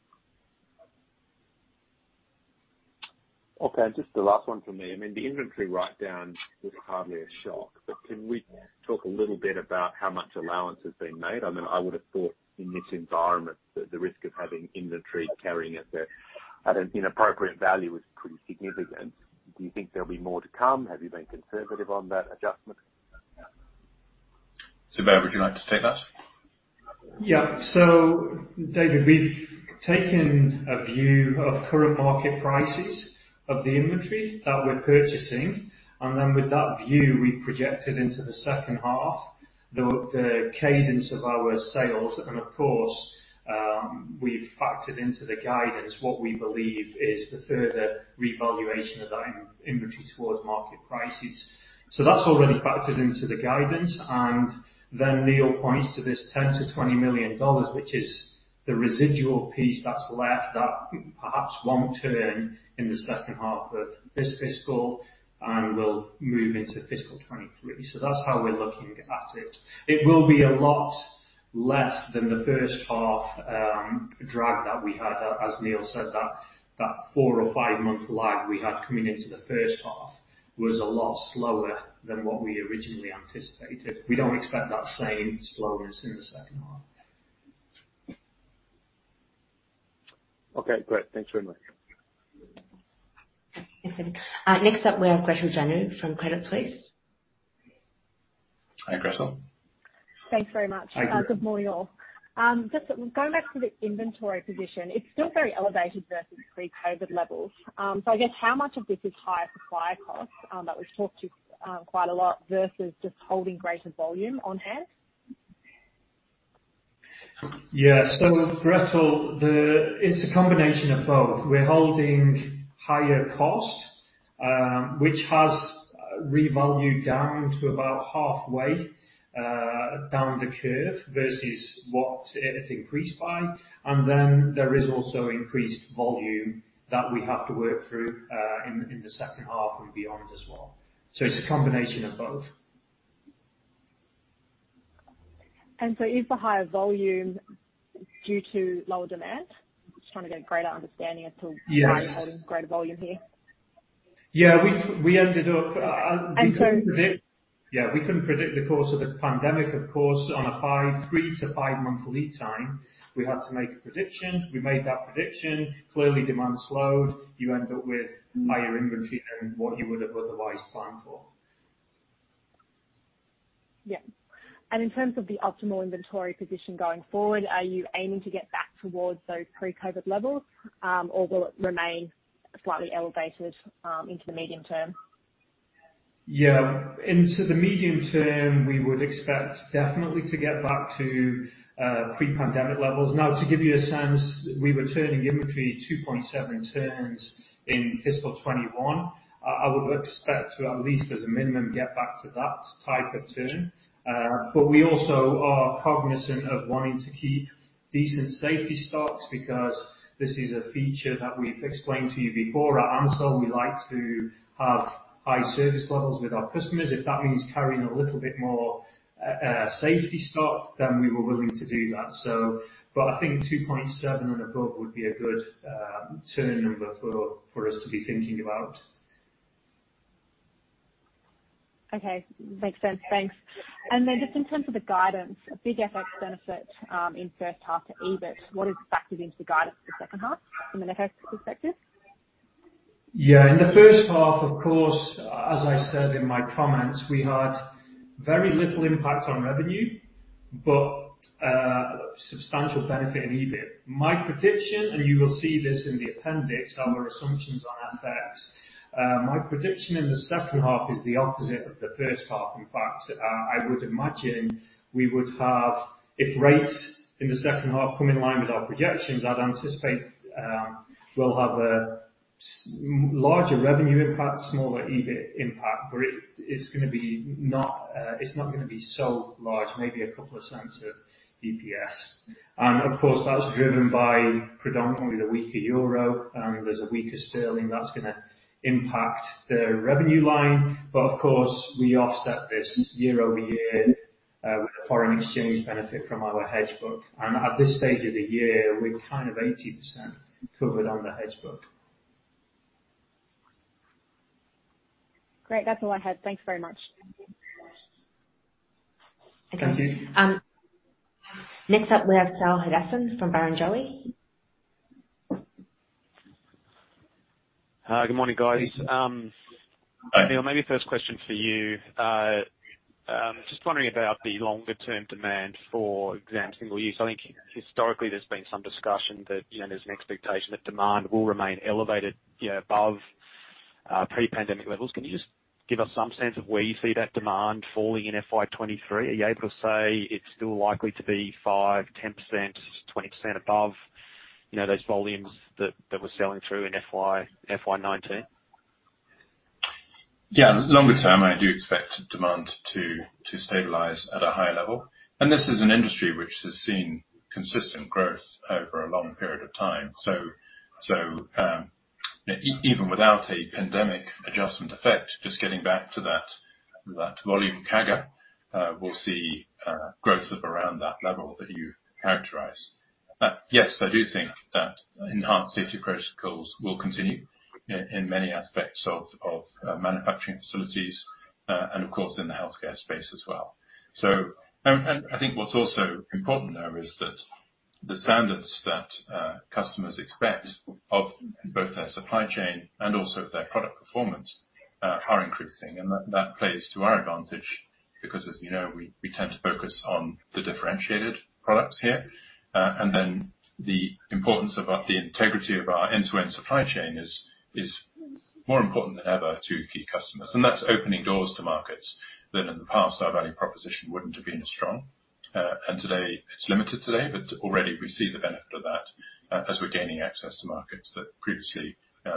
Speaker 6: Okay, just the last one from me. I mean, the inventory write-down was hardly a shock, but can we talk a little bit about how much allowance has been made? I mean, I would have thought in this environment, the risk of having inventory carrying at an inappropriate value is pretty significant. Do you think there'll be more to come? Have you been conservative on that adjustment?
Speaker 2: Zubair Javeed, would you like to take that?
Speaker 3: David, we've taken a view of current market prices of the inventory that we're purchasing, and then with that view, we've projected into the second half the cadence of our sales, and of course, we've factored into the guidance what we believe is the further revaluation of that inventory towards market prices. That's already factored into the guidance. Then Neil points to this $10 million-$20 million, which is the residual piece that's left that perhaps won't turn in the second half of this fiscal and will move into fiscal 2023. That's how we're looking at it. It will be a lot less than the first half drag that we had. As Neil said, that 4 or 5-month lag we had coming into the first half was a lot slower than what we originally anticipated. We don't expect that same slowness in the second half.
Speaker 6: Okay, great. Thanks very much.
Speaker 1: Thanks, David Low. Next up we have Gretel Janu from Credit Suisse.
Speaker 2: Hi, Gretel.
Speaker 7: Thanks very much.
Speaker 2: Hi, Gretel.
Speaker 7: Good morning, all. Just going back to the inventory position, it's still very elevated versus pre-COVID levels. So I guess how much of this is higher supply costs that we've talked about quite a lot versus just holding greater volume on hand?
Speaker 3: Yeah, Gretel, it's a combination of both. We're holding higher cost, which has revalued down to about halfway, down the curve versus what it increased by. There is also increased volume that we have to work through, in the second half and beyond as well. It's a combination of both.
Speaker 7: Is the higher volume due to lower demand? Just trying to get a greater understanding as to-
Speaker 3: Yes.
Speaker 7: Why you're holding greater volume here?
Speaker 3: Yeah, we ended up
Speaker 7: And so-
Speaker 3: We couldn't predict the course of the pandemic, of course, on a 3 to 5-month lead time. We had to make a prediction. We made that prediction. Clearly demand slowed. You end up with higher inventory than what you would have otherwise planned for.
Speaker 7: In terms of the optimal inventory position going forward, are you aiming to get back towards those pre-COVID levels, or will it remain slightly elevated into the medium term?
Speaker 3: Yeah. Into the medium term, we would expect definitely to get back to pre-pandemic levels. Now, to give you a sense, we were turning inventory 2.7 turns in fiscal 2021. I would expect to at least as a minimum get back to that type of turn. We also are cognizant of wanting to keep decent safety stocks because this is a feature that we've explained to you before. At Ansell, we like to have high service levels with our customers. If that means carrying a little bit more safety stock, then we were willing to do that, so. I think 2.7 and above would be a good turn number for us to be thinking about.
Speaker 7: Okay. Makes sense. Thanks. Just in terms of the guidance, a big FX benefit in first half to EBIT. What is factored into the guidance for the second half from an FX perspective?
Speaker 3: In the first half, of course, as I said in my comments, we had very little impact on revenue, but substantial benefit in EBIT. My prediction, you will see this in the appendix, our assumptions on FX, my prediction in the second half is the opposite of the first half. In fact, I would imagine we would have, if rates in the second half come in line with our projections, I'd anticipate we'll have a larger revenue impact, smaller EBIT impact, but it's not gonna be so large, maybe a couple of cents of EPS. Of course, that's driven by predominantly the weaker euro and there's a weaker sterling that's gonna impact the revenue line. Of course, we offset this year-over-year with the foreign exchange benefit from our hedge book. At this stage of the year, we're kind of 80% covered on the hedge book.
Speaker 7: Great. That's all I had. Thanks very much.
Speaker 3: Thank you.
Speaker 1: Next up we have Saul Hadassin from Barrenjoey.
Speaker 8: Hi, good morning, guys.
Speaker 2: Hi.
Speaker 8: Neil, maybe first question for you. Just wondering about the longer term demand for exam single use. I think historically there's been some discussion that, you know, there's an expectation that demand will remain elevated, you know, above pre-pandemic levels. Can you just give us some sense of where you see that demand falling in FY 2023? Are you able to say it's still likely to be 5%, 10%, 20% above, you know, those volumes that were selling through in FY 2019?
Speaker 2: Yeah. Longer term, I do expect demand to stabilize at a higher level. This is an industry which has seen consistent growth over a long period of time. Even without a pandemic adjustment effect, just getting back to that volume CAGR, we'll see growth of around that level that you characterize. Yes, I do think that enhanced safety protocols will continue in many aspects of manufacturing facilities, and of course in the healthcare space as well. I think what's also important though is that the standards that customers expect of both their supply chain and also their product performance are increasing. That plays to our advantage because as you know, we tend to focus on the differentiated products here. The importance of our end-to-end supply chain is more important than ever to key customers. That's opening doors to markets that in the past our value proposition wouldn't have been as strong. Today it's limited, but already we see the benefit of that as we're gaining access to markets that previously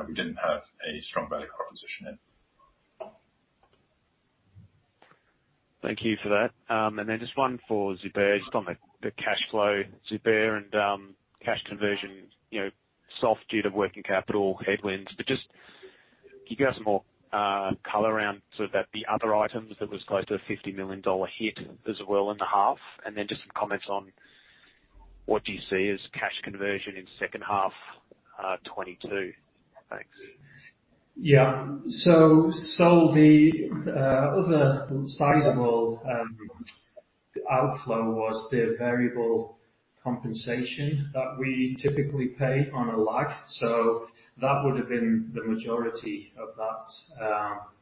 Speaker 2: we didn't have a strong value proposition in.
Speaker 8: Thank you for that. Then just one for Zubair, just on the cash flow, Zubair, and cash conversion, you know, soft due to working capital headwinds. Just can you give us some more color around so that the other items that was close to a $50 million hit as well in the half, and then just some comments on what do you see as cash conversion in second half 2022? Thanks.
Speaker 3: The other sizable outflow was the variable compensation that we typically pay on a lag. That would've been the majority of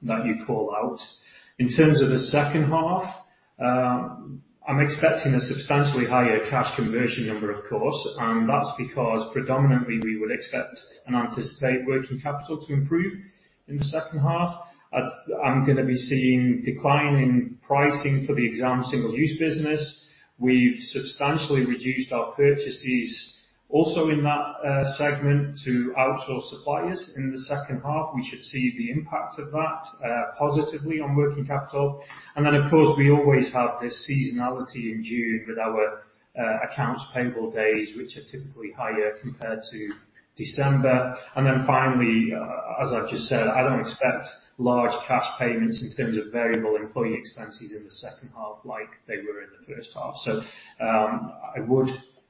Speaker 3: that you call out. In terms of the second half, I'm expecting a substantially higher cash conversion number, of course. That's because predominantly we would expect an anticipated working capital to improve in the second half. I'm gonna be seeing declining pricing for the exam single-use business. We've substantially reduced our purchases also in that segment to outsource suppliers in the second half. We should see the impact of that positively on working capital. Then, of course, we always have this seasonality in June with our accounts payable days, which are typically higher compared to December. Finally, as I've just said, I don't expect large cash payments in terms of variable employee expenses in the second half like they were in the first half.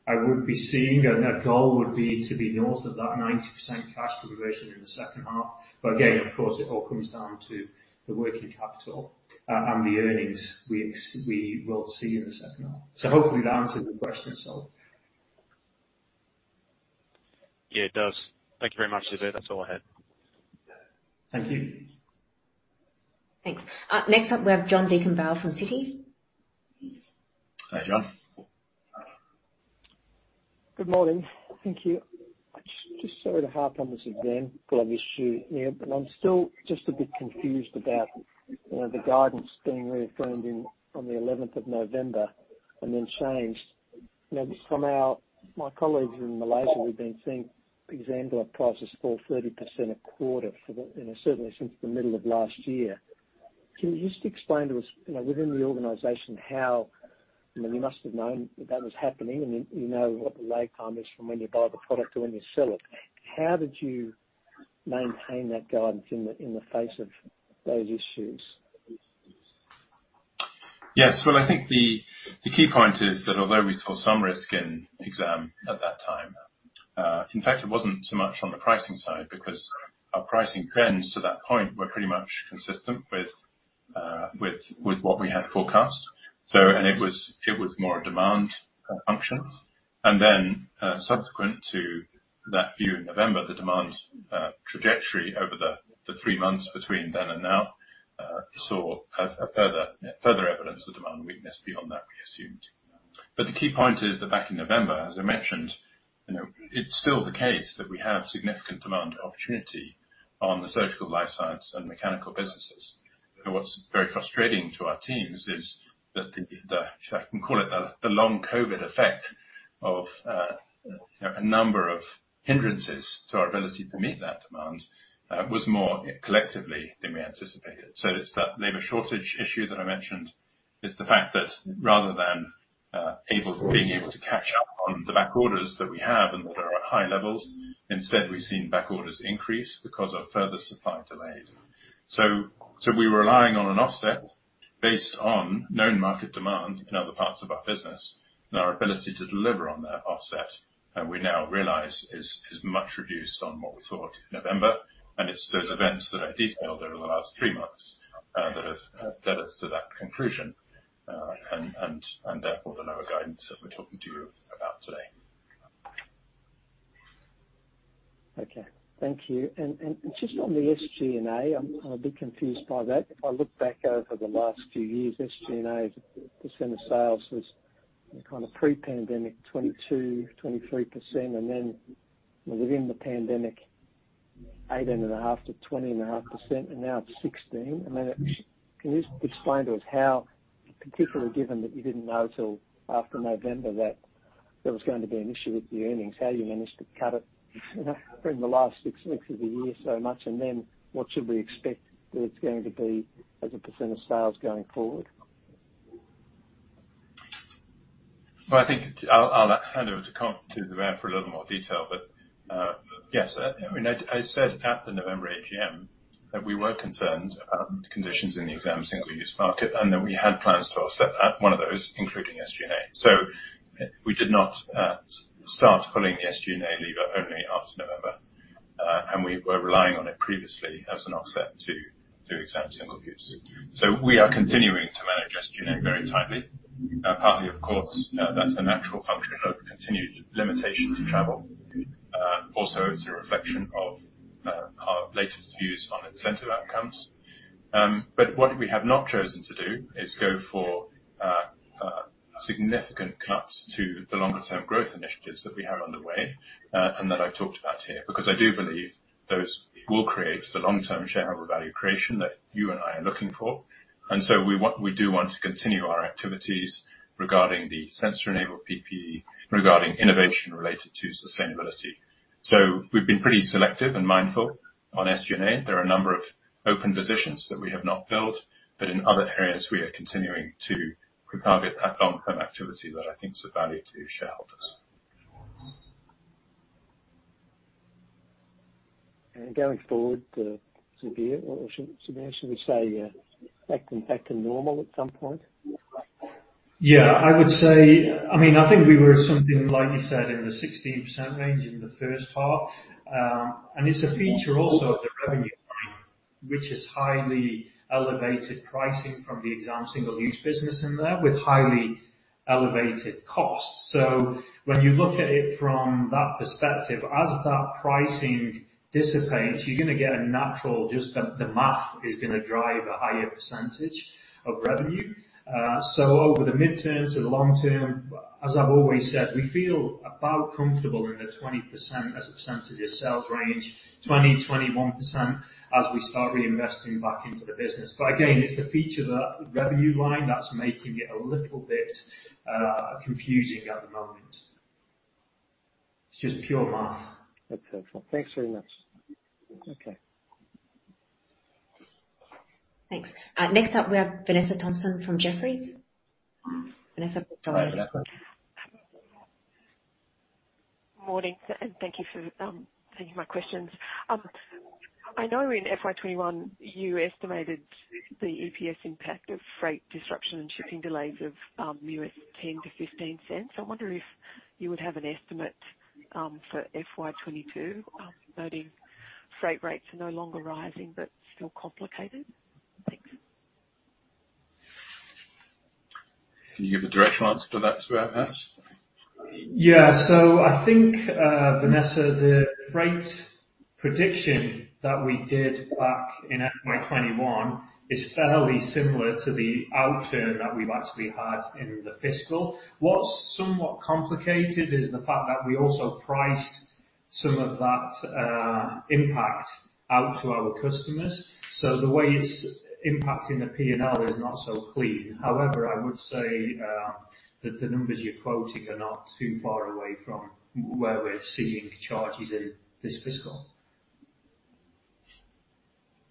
Speaker 3: I would be seeing, and our goal would be to be north of that 90% cash conversion in the second half. Again, of course, it all comes down to the working capital, and the earnings we will see in the second half. Hopefully that answers the question, Saul.
Speaker 8: Yeah, it does. Thank you very much, Zubair. That's all I had.
Speaker 3: Thank you.
Speaker 1: Thanks. Next up we have John Deakin-Bell from Citi.
Speaker 2: Hi, John.
Speaker 9: Good morning. Thank you. I just sorry to harp on this exam glove issue here, but I'm still just a bit confused about, you know, the guidance being reaffirmed in on the 11th of November and then changed. You know, from my colleagues in Malaysia, we've been seeing exam glove prices fall 30% a quarter for the, you know, certainly since the middle of last year. Can you just explain to us, you know, within the organization how, you know, you must have known that that was happening and you know what the lag time is from when you buy the product to when you sell it. How did you maintain that guidance in the face of those issues?
Speaker 2: Yes. Well, I think the key point is that although we saw some risk in exam at that time, in fact it wasn't so much on the pricing side because our pricing trends to that point were pretty much consistent with what we had forecast. It was more a demand function. Subsequent to that view in November, the demand trajectory over the three months between then and now saw further evidence of demand weakness beyond that we assumed. The key point is that back in November, as I mentioned, you know, it's still the case that we have significant demand opportunity on the surgical life science and mechanical businesses. What's very frustrating to our teams is that the long COVID effect of a number of hindrances to our ability to meet that demand was more collectively than we anticipated. It's that labor shortage issue that I mentioned. It's the fact that rather than being able to catch up on the back orders that we have and that are at high levels, instead, we've seen back orders increase because of further supply delays. We were relying on an offset based on known market demand in other parts of our business, and our ability to deliver on that offset, we now realize is much reduced on what we thought in November. It's those events that I detailed over the last three months that have led us to that conclusion. Therefore the lower guidance that we're talking to you about today.
Speaker 9: Okay. Thank you. Just on the SG&A, I'm a bit confused by that. If I look back over the last few years, SG&A as a percent of sales was kind of pre-pandemic 22%-23%, and then within the pandemic, 18.5%-20.5%, and now it's 16%. I mean, can you just explain to us how, particularly given that you didn't know till after November that there was going to be an issue with the earnings, how you managed to cut it in the last six months of the year so much, and then what should we expect that it's going to be as a percent of sales going forward?
Speaker 2: Well, I think I'll hand over to Zubair for a little more detail. Yes, I mean, I said at the November AGM that we were concerned about conditions in the exam single-use market, and that we had plans to offset that, one of those including SG&A. We did not start pulling the SG&A lever only after November, and we were relying on it previously as an offset to exam single use. We are continuing to manage SG&A very tightly. Partly of course, that's a natural function of continued limitation to travel. Also it's a reflection of our latest views on incentive outcomes. But what we have not chosen to do is go for significant cuts to the longer term growth initiatives that we have underway, and that I've talked about here, because I do believe those will create the long-term shareholder value creation that you and I are looking for. We do want to continue our activities regarding the sensor-enabled PPE, regarding innovation related to sustainability. We've been pretty selective and mindful. On SG&A, there are a number of open positions that we have not filled, but in other areas we are continuing to target that one-time activity that I think is of value to shareholders.
Speaker 9: Going forward, Zubair, should we say, back to normal at some point?
Speaker 3: Yeah, I would say. I mean, I think we were something like you said in the 16% range in the first half. It's a feature also of the revenue line, which is highly elevated pricing from the exam single-use business in there with highly elevated costs. When you look at it from that perspective, as that pricing dissipates, you're gonna get a natural just the math is gonna drive a higher percentage of revenue. Over the midterm to the long term, as I've always said, we feel about comfortable in the 20% as a percentage of sales range, 20, 21% as we start reinvesting back into the business. Again, it's the feature, the revenue line that's making it a little bit confusing at the moment. It's just pure math.
Speaker 9: That's it. Thanks very much. Okay.
Speaker 1: Thanks. Next up we have Vanessa Thomson from Jefferies. Vanessa, go ahead.
Speaker 2: Hi, Vanessa.
Speaker 10: Morning, thank you for taking my questions. I know in FY 2021 you estimated the EPS impact of freight disruption and shipping delays of $0.10-$0.15. I wonder if you would have an estimate for FY 2022, noting freight rates are no longer rising but still complicated. Thanks.
Speaker 2: Can you give a direct answer to that, Zubair, perhaps?
Speaker 3: I think, Vanessa, the freight prediction that we did back in FY 2021 is fairly similar to the outturn that we've actually had in the fiscal. What's somewhat complicated is the fact that we also priced some of that, impact out to our customers. The way it's impacting the P&L is not so clean. However, I would say, that the numbers you're quoting are not too far away from where we're seeing charges in this fiscal.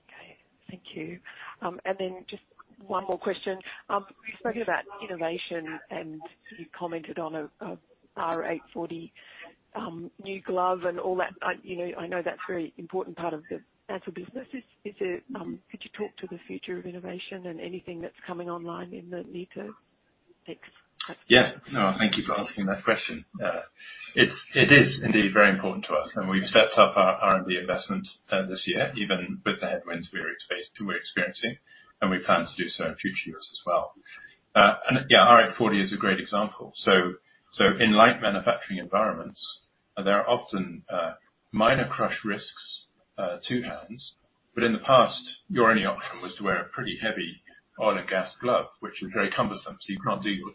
Speaker 10: Okay. Thank you. Just one more question. You spoke about innovation, and you commented on a R840 new glove and all that. You know, I know that's a very important part of the Ansell business. Is it could you talk to the future of innovation and anything that's coming online in the near term? Thanks.
Speaker 2: No, thank you for asking that question. It is indeed very important to us, and we've stepped up our R&D investment this year, even with the headwinds we're experiencing, and we plan to do so in future years as well. Yeah, R840 is a great example. In light manufacturing environments, there are often minor crush risks to hands, but in the past, your only option was to wear a pretty heavy oil and gas glove, which is very cumbersome, so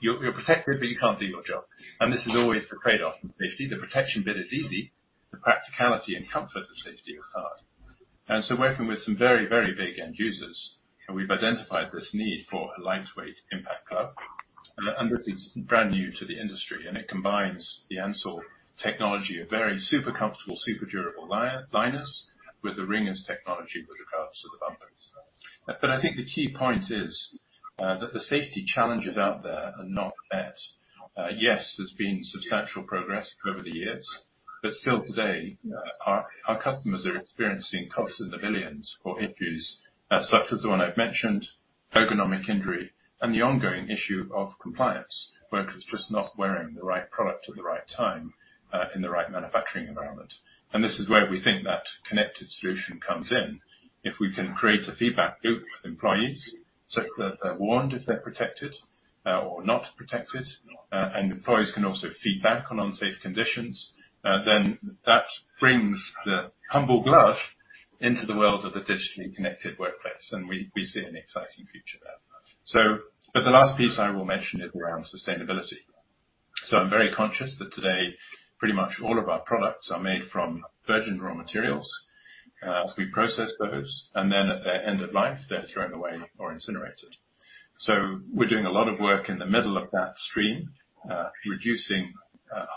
Speaker 2: you're protected, but you can't do your job. This is always the trade-off with safety. The protection bit is easy. The practicality and comfort of safety are hard. Working with some very big end users, we've identified this need for a lightweight impact glove. This is brand new to the industry, and it combines the Ansell technology of very super comfortable, super durable liners with the Ringers technology, which adds to the bumper. I think the key point is that the safety challenges out there are not met. Yes, there's been substantial progress over the years, but still today, our customers are experiencing costs in the millions for injuries, such as the one I've mentioned, ergonomic injury and the ongoing issue of compliance, workers just not wearing the right product at the right time, in the right manufacturing environment. This is where we think that connected solution comes in. If we can create a feedback loop with employees, so that they're warned if they're protected or not protected, and employees can also feedback on unsafe conditions, then that brings the humble glove into the world of the digitally connected workplace, and we see an exciting future there. The last piece I will mention is around sustainability. I'm very conscious that today pretty much all of our products are made from virgin raw materials. We process those, and then at their end of life, they're thrown away or incinerated. We're doing a lot of work in the middle of that stream, reducing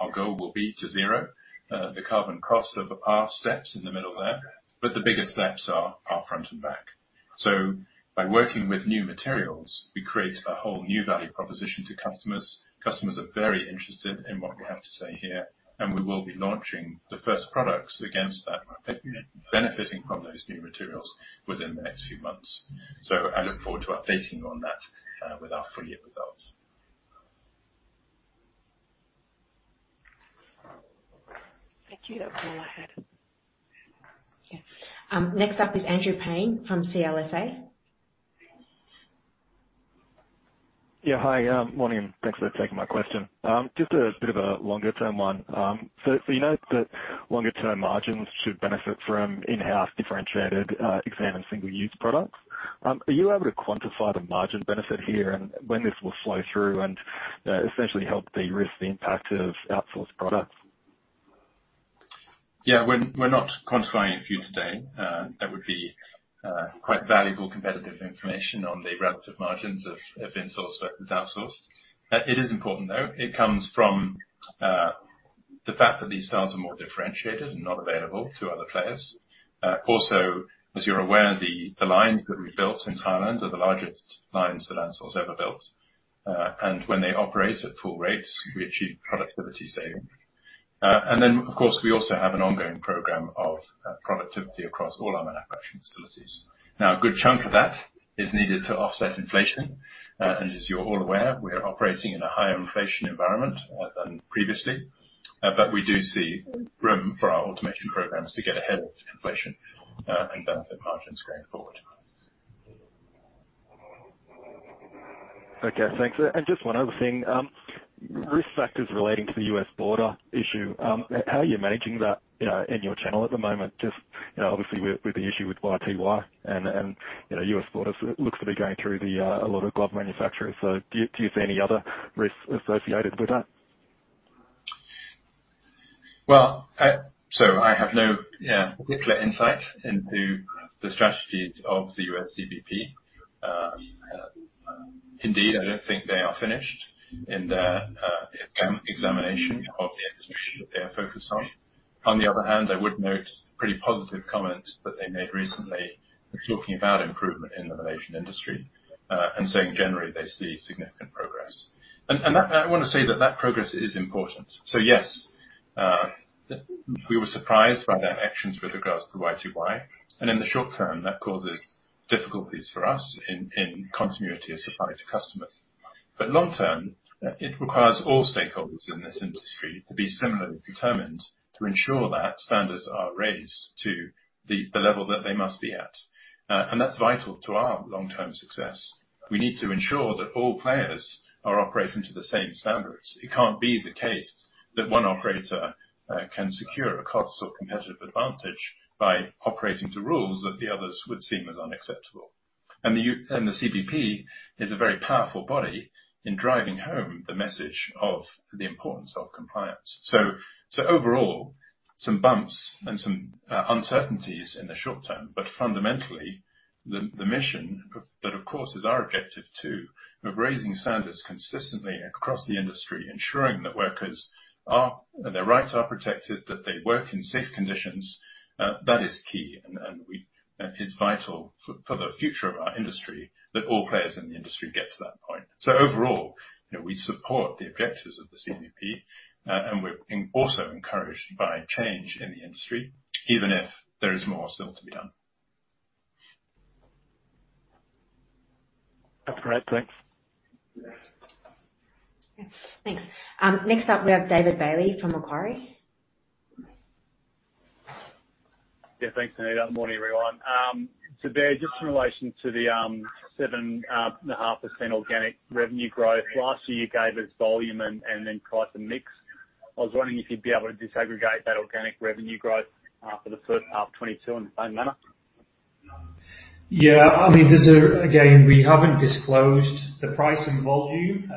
Speaker 2: our goal will be to zero the carbon cost of the past steps in the middle there, but the biggest steps are front and back. By working with new materials, we create a whole new value proposition to customers. Customers are very interested in what we have to say here, and we will be launching the first products against that, benefiting from those new materials within the next few months. I look forward to updating you on that, with our full year results.
Speaker 10: Thank you. That was all I had.
Speaker 1: Yeah. Next up is Andrew Paine from CLSA.
Speaker 11: Yeah, hi. Morning, and thanks for taking my question. Just a bit of a longer term one. You note that longer term margins should benefit from in-house differentiated exam and single-use products. Are you able to quantify the margin benefit here and when this will flow through and essentially help de-risk the impact of outsourced products?
Speaker 2: Yeah, we're not quantifying it for you today. That would be quite valuable competitive information on the relative margins of insourced versus outsourced. It is important, though. It comes from the fact that these styles are more differentiated and not available to other players. As you're aware, the lines that we built in Thailand are the largest lines that Ansell has ever built. When they operate at full rates, we achieve productivity savings. Of course, we also have an ongoing program of productivity across all our manufacturing facilities. Now, a good chunk of that is needed to offset inflation. As you're all aware, we are operating in a higher inflation environment than previously. We do see room for our automation programs to get ahead of inflation and benefit margins going forward.
Speaker 11: Okay, thanks. Just one other thing, risk factors relating to the U.S. border issue, how are you managing that in your channel at the moment? Just, you know, obviously with the issue with YTY and, you know, U.S. borders looks to be going through a lot of glove manufacturers. So do you see any other risks associated with that?
Speaker 2: I have no particular insight into the strategies of the U.S. CBP. Indeed, I don't think they are finished in their examination of the industry that they are focused on. On the other hand, I would note pretty positive comments that they made recently talking about improvement in the Malaysian industry, and saying generally they see significant progress. I want to say that that progress is important. Yes, we were surprised by their actions with regards to YTY. In the short term, that causes difficulties for us in continuity of supply to customers. Long term, it requires all stakeholders in this industry to be similarly determined to ensure that standards are raised to the level that they must be at. That's vital to our long-term success. We need to ensure that all players are operating to the same standards. It can't be the case that one operator can secure a cost or competitive advantage by operating to rules that the others would see as unacceptable. The U.S. and the CBP is a very powerful body in driving home the message of the importance of compliance. Overall, some bumps and some uncertainties in the short term, but fundamentally, that of course is our objective too, of raising standards consistently across the industry, ensuring that workers' rights are protected, that they work in safe conditions, that is key. It's vital for the future of our industry that all players in the industry get to that point. Overall, you know, we support the objectives of the CBP, and we're also encouraged by change in the industry, even if there is more still to be done.
Speaker 11: That's great. Thanks.
Speaker 1: Thanks. Next up, we have David Bailey from Macquarie.
Speaker 12: Yeah, thanks, Anita. Morning, everyone. So there, just in relation to the 7.5% organic revenue growth, last year you gave us volume and then price and mix. I was wondering if you'd be able to disaggregate that organic revenue growth for the first half 2022 in the same manner.
Speaker 2: Yeah. I mean, again, we haven't disclosed the price and volume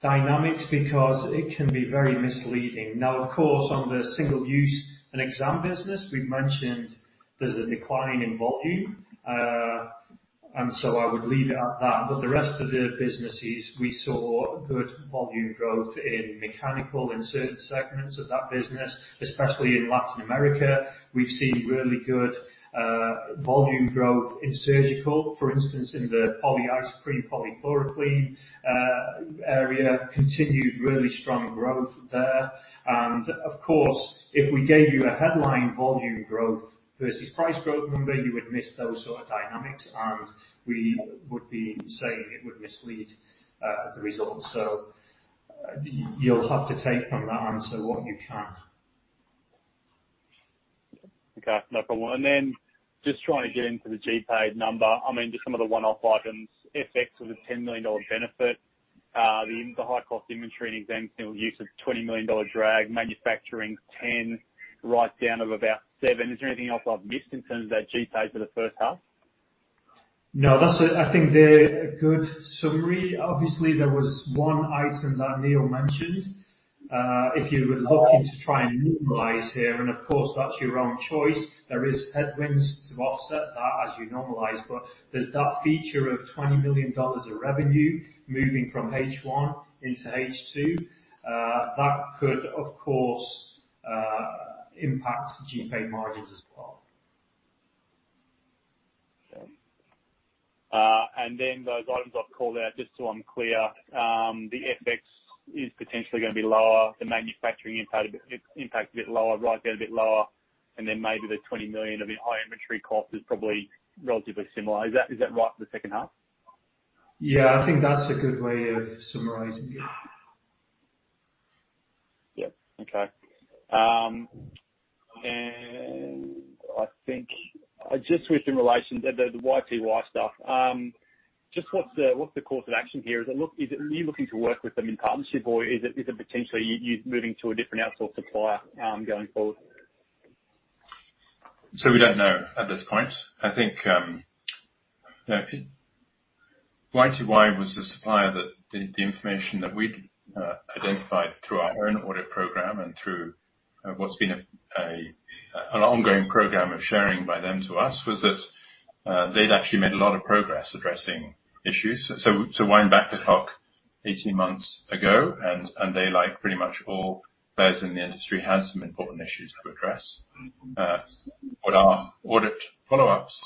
Speaker 2: dynamics because it can be very misleading. Now, of course, on the single-use and exam business, we've mentioned there's a decline in volume. I would leave it at that. The rest of the businesses, we saw good volume growth in mechanical in certain segments of that business, especially in Latin America. We've seen really good volume growth in surgical, for instance, in the polyisoprene, polychloroprene area, continued really strong growth there. Of course, if we gave you a headline volume growth versus price growth number, you would miss those sort of dynamics, and we would be saying it would mislead the results. You'll have to take from that answer what you can.
Speaker 12: Okay. No problem. Then just trying to get into the GPADE number, I mean, just some of the one-off items, FX was a $10 million benefit. The high cost inventory and exam single-use was a $20 million drag, manufacturing $10 million, write-down of about $7 million. Is there anything else I've missed in terms of that GPADE for the first half?
Speaker 2: No, that's. I think they're a good summary. Obviously, there was one item that Neil mentioned. If you were looking to try and normalize here, and of course, that's your own choice, there is headwinds to offset that as you normalize, but there's that feature of 20 million dollars of revenue moving from H1 into H2. That could, of course, impact GPAD margins as well.
Speaker 12: Okay. Those items I've called out, just so I'm clear, the FX is potentially gonna be lower, the manufacturing impact a bit lower, write-down a bit lower, and then maybe the 20 million of your high inventory cost is probably relatively similar. Is that right for the second half?
Speaker 2: Yeah, I think that's a good way of summarizing it.
Speaker 12: Just with relation to the YTY stuff, just what's the course of action here? Is it you looking to work with them in partnership, or is it potentially you moving to a different outsourced supplier, going forward?
Speaker 2: We don't know at this point. I think, you know, YTY was the supplier that the information that we'd identified through our own audit. Through what's been an ongoing program of sharing by them to us was that they'd actually made a lot of progress addressing issues. Wind back the clock 18 months ago and they, like pretty much all players in the industry, had some important issues to address. What our audit follow-ups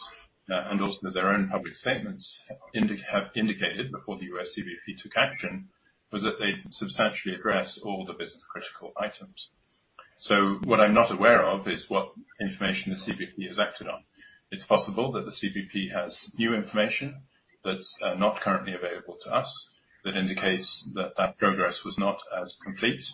Speaker 2: and also their own public statements indicated before the U.S. CBP took action was that they'd substantially addressed all the business critical items. What I'm not aware of is what information the CBP has acted on. It's possible that the CBP has new information that's not currently available to us that indicates that progress was not as complete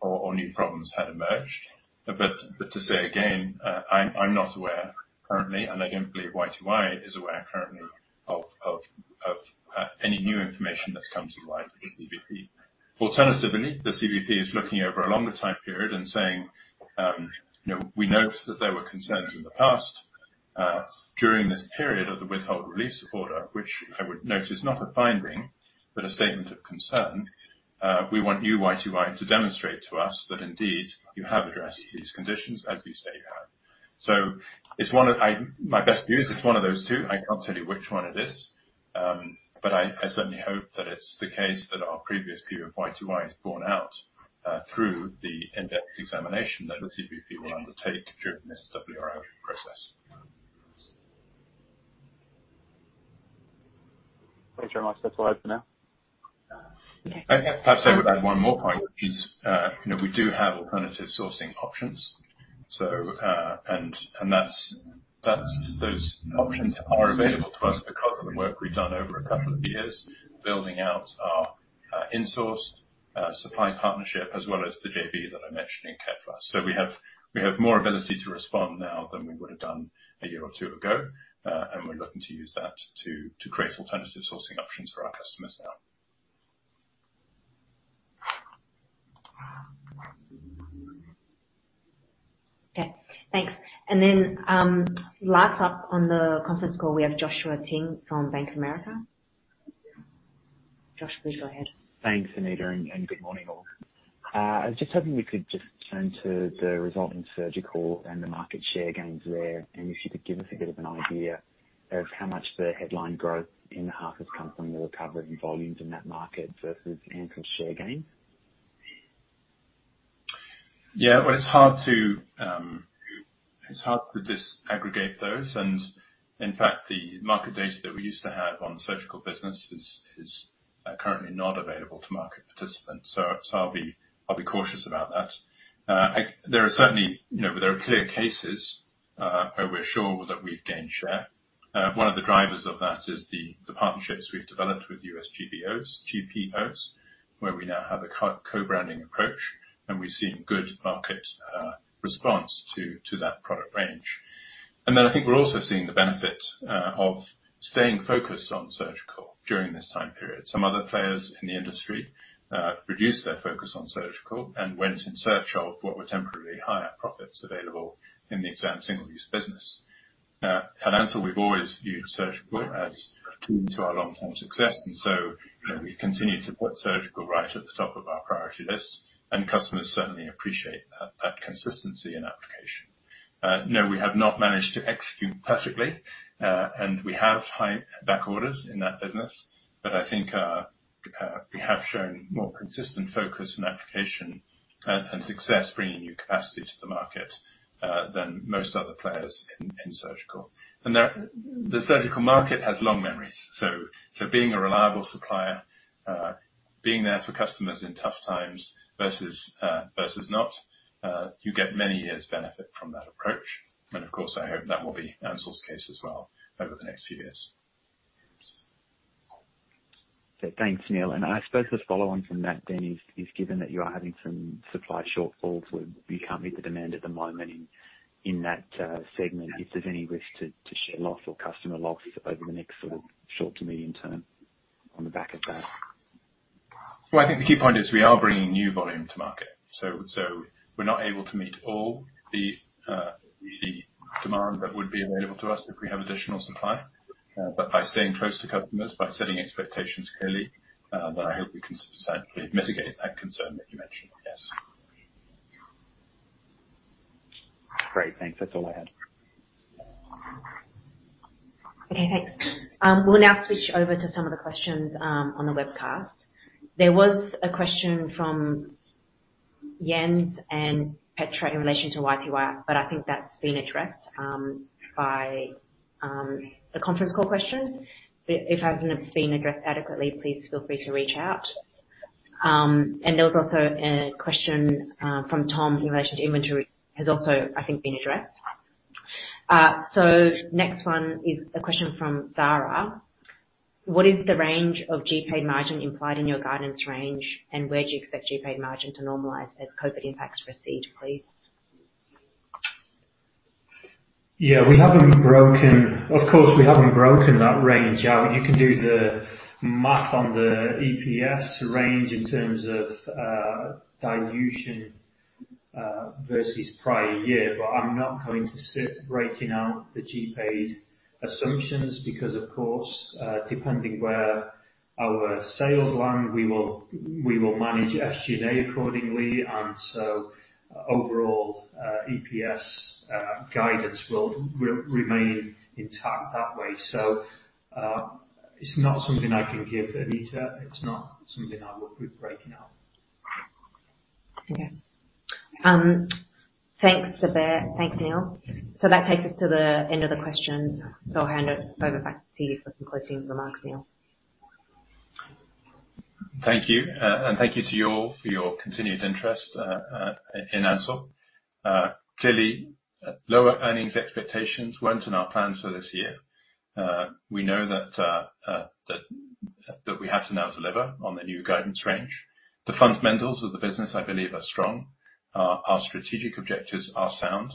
Speaker 2: or new problems had emerged. To say again, I'm not aware currently, and I don't believe YTY is aware currently of any new information that's come to light with the CBP. Alternatively, the CBP is looking over a longer time period and saying, "You know, we note that there were concerns in the past during this period of the Withhold Release Order," which I would note is not a finding, but a statement of concern. "We want you, YTY, to demonstrate to us that indeed you have addressed these conditions as you say you have." So my best view is it's one of those two. I can't tell you which one it is. I certainly hope that it's the case that our previous view of YTY is borne out through the in-depth examination that the CBP will undertake during this WRO process.
Speaker 12: Thanks, Neil. That's all I have for now.
Speaker 2: Perhaps I would add one more point, which is, you know, we do have alternative sourcing options. And those options are available to us because of the work we've done over a couple of years building out our insourced supply partnership as well as the JV that I mentioned in Malaysia. We have more ability to respond now than we would have done a year or two ago, and we're looking to use that to create alternative sourcing options for our customers now.
Speaker 1: Okay, thanks. Last up on the conference call, we have Joshua Ting from Bank of America. Josh, please go ahead.
Speaker 13: Thanks, Anita, and good morning, all. I was just hoping we could just turn to the results in surgical and the market share gains there, and if you could give us a bit of an idea of how much the headline growth in the half has come from the recovery volumes in that market versus market share gains.
Speaker 2: Well, it's hard to disaggregate those. In fact, the market data that we used to have on surgical business is currently not available to market participants. I'll be cautious about that. There are certainly clear cases where we're sure that we've gained share. One of the drivers of that is the partnerships we've developed with U.S. GPOs, where we now have a co-branding approach, and we've seen good market response to that product range. Then I think we're also seeing the benefit of staying focused on surgical during this time period. Some other players in the industry reduced their focus on surgical and went in search of what were temporarily higher profits available in the exam single-use business. At Ansell, we've always viewed surgical as key to our long-term success, you know, we've continued to put surgical right at the top of our priority list, and customers certainly appreciate that consistency in application. No, we have not managed to execute perfectly, and we have high back orders in that business. I think we have shown more consistent focus and application and success bringing new capacity to the market than most other players in surgical. The surgical market has long memories, so being a reliable supplier, being there for customers in tough times versus not, you get many years' benefit from that approach. Of course I hope that will be Ansell's case as well over the next few years.
Speaker 13: Okay, thanks, Neil. I suppose the follow on from that then is, given that you are having some supply shortfalls where you can't meet the demand at the moment in that segment, is there any risk to share loss or customer loss over the next sort of short to medium term on the back of that?
Speaker 2: Well, I think the key point is we are bringing new volume to market, so we're not able to meet all the demand that would be available to us if we have additional supply. But by staying close to customers, by setting expectations clearly, then I hope we can substantially mitigate that concern that you mentioned. Yes.
Speaker 13: Great. Thanks. That's all I had.
Speaker 1: Okay, thanks. We'll now switch over to some of the questions on the webcast. There was a question from Jens and Petra in relation to YTY, but I think that's been addressed by the conference call question. If it hasn't been addressed adequately, please feel free to reach out. There was also a question from Tom in relation to inventory. It has also, I think, been addressed. Next one is a question from Zara. What is the range of GPAD margin implied in your guidance range, and where do you expect GPAD margin to normalize as COVID impacts recede, please?
Speaker 3: Of course, we haven't broken that range out. You can do the math on the EPS range in terms of dilution versus prior year. I'm not going to sit breaking out the GPAD assumptions because of course, depending where our sales land, we will manage SG&A accordingly. Overall, EPS guidance will remain intact that way. It's not something I can give, Anita. It's not something I work with breaking out.
Speaker 1: Okay. Thanks, Zubair. Thanks, Neil. That takes us to the end of the questions. I'll hand it over back to you for some closing remarks, Neil.
Speaker 2: Thank you. Thank you to you all for your continued interest in Ansell. Clearly, lower earnings expectations weren't in our plans for this year. We know that we have to now deliver on the new guidance range. The fundamentals of the business, I believe, are strong. Our strategic objectives are sound.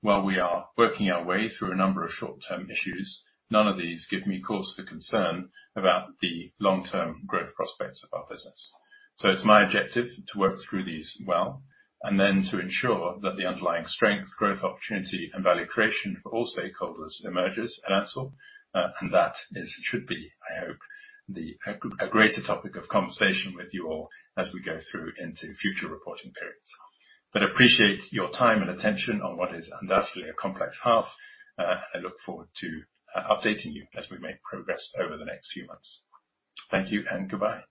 Speaker 2: While we are working our way through a number of short-term issues, none of these give me cause for concern about the long-term growth prospects of our business. It's my objective to work through these well and then to ensure that the underlying strength, growth, opportunity and value creation for all stakeholders emerges at Ansell. That is, should be, I hope, a greater topic of conversation with you all as we go through into future reporting periods. I appreciate your time and attention on what is undoubtedly a complex half. I look forward to updating you as we make progress over the next few months. Thank you and goodbye.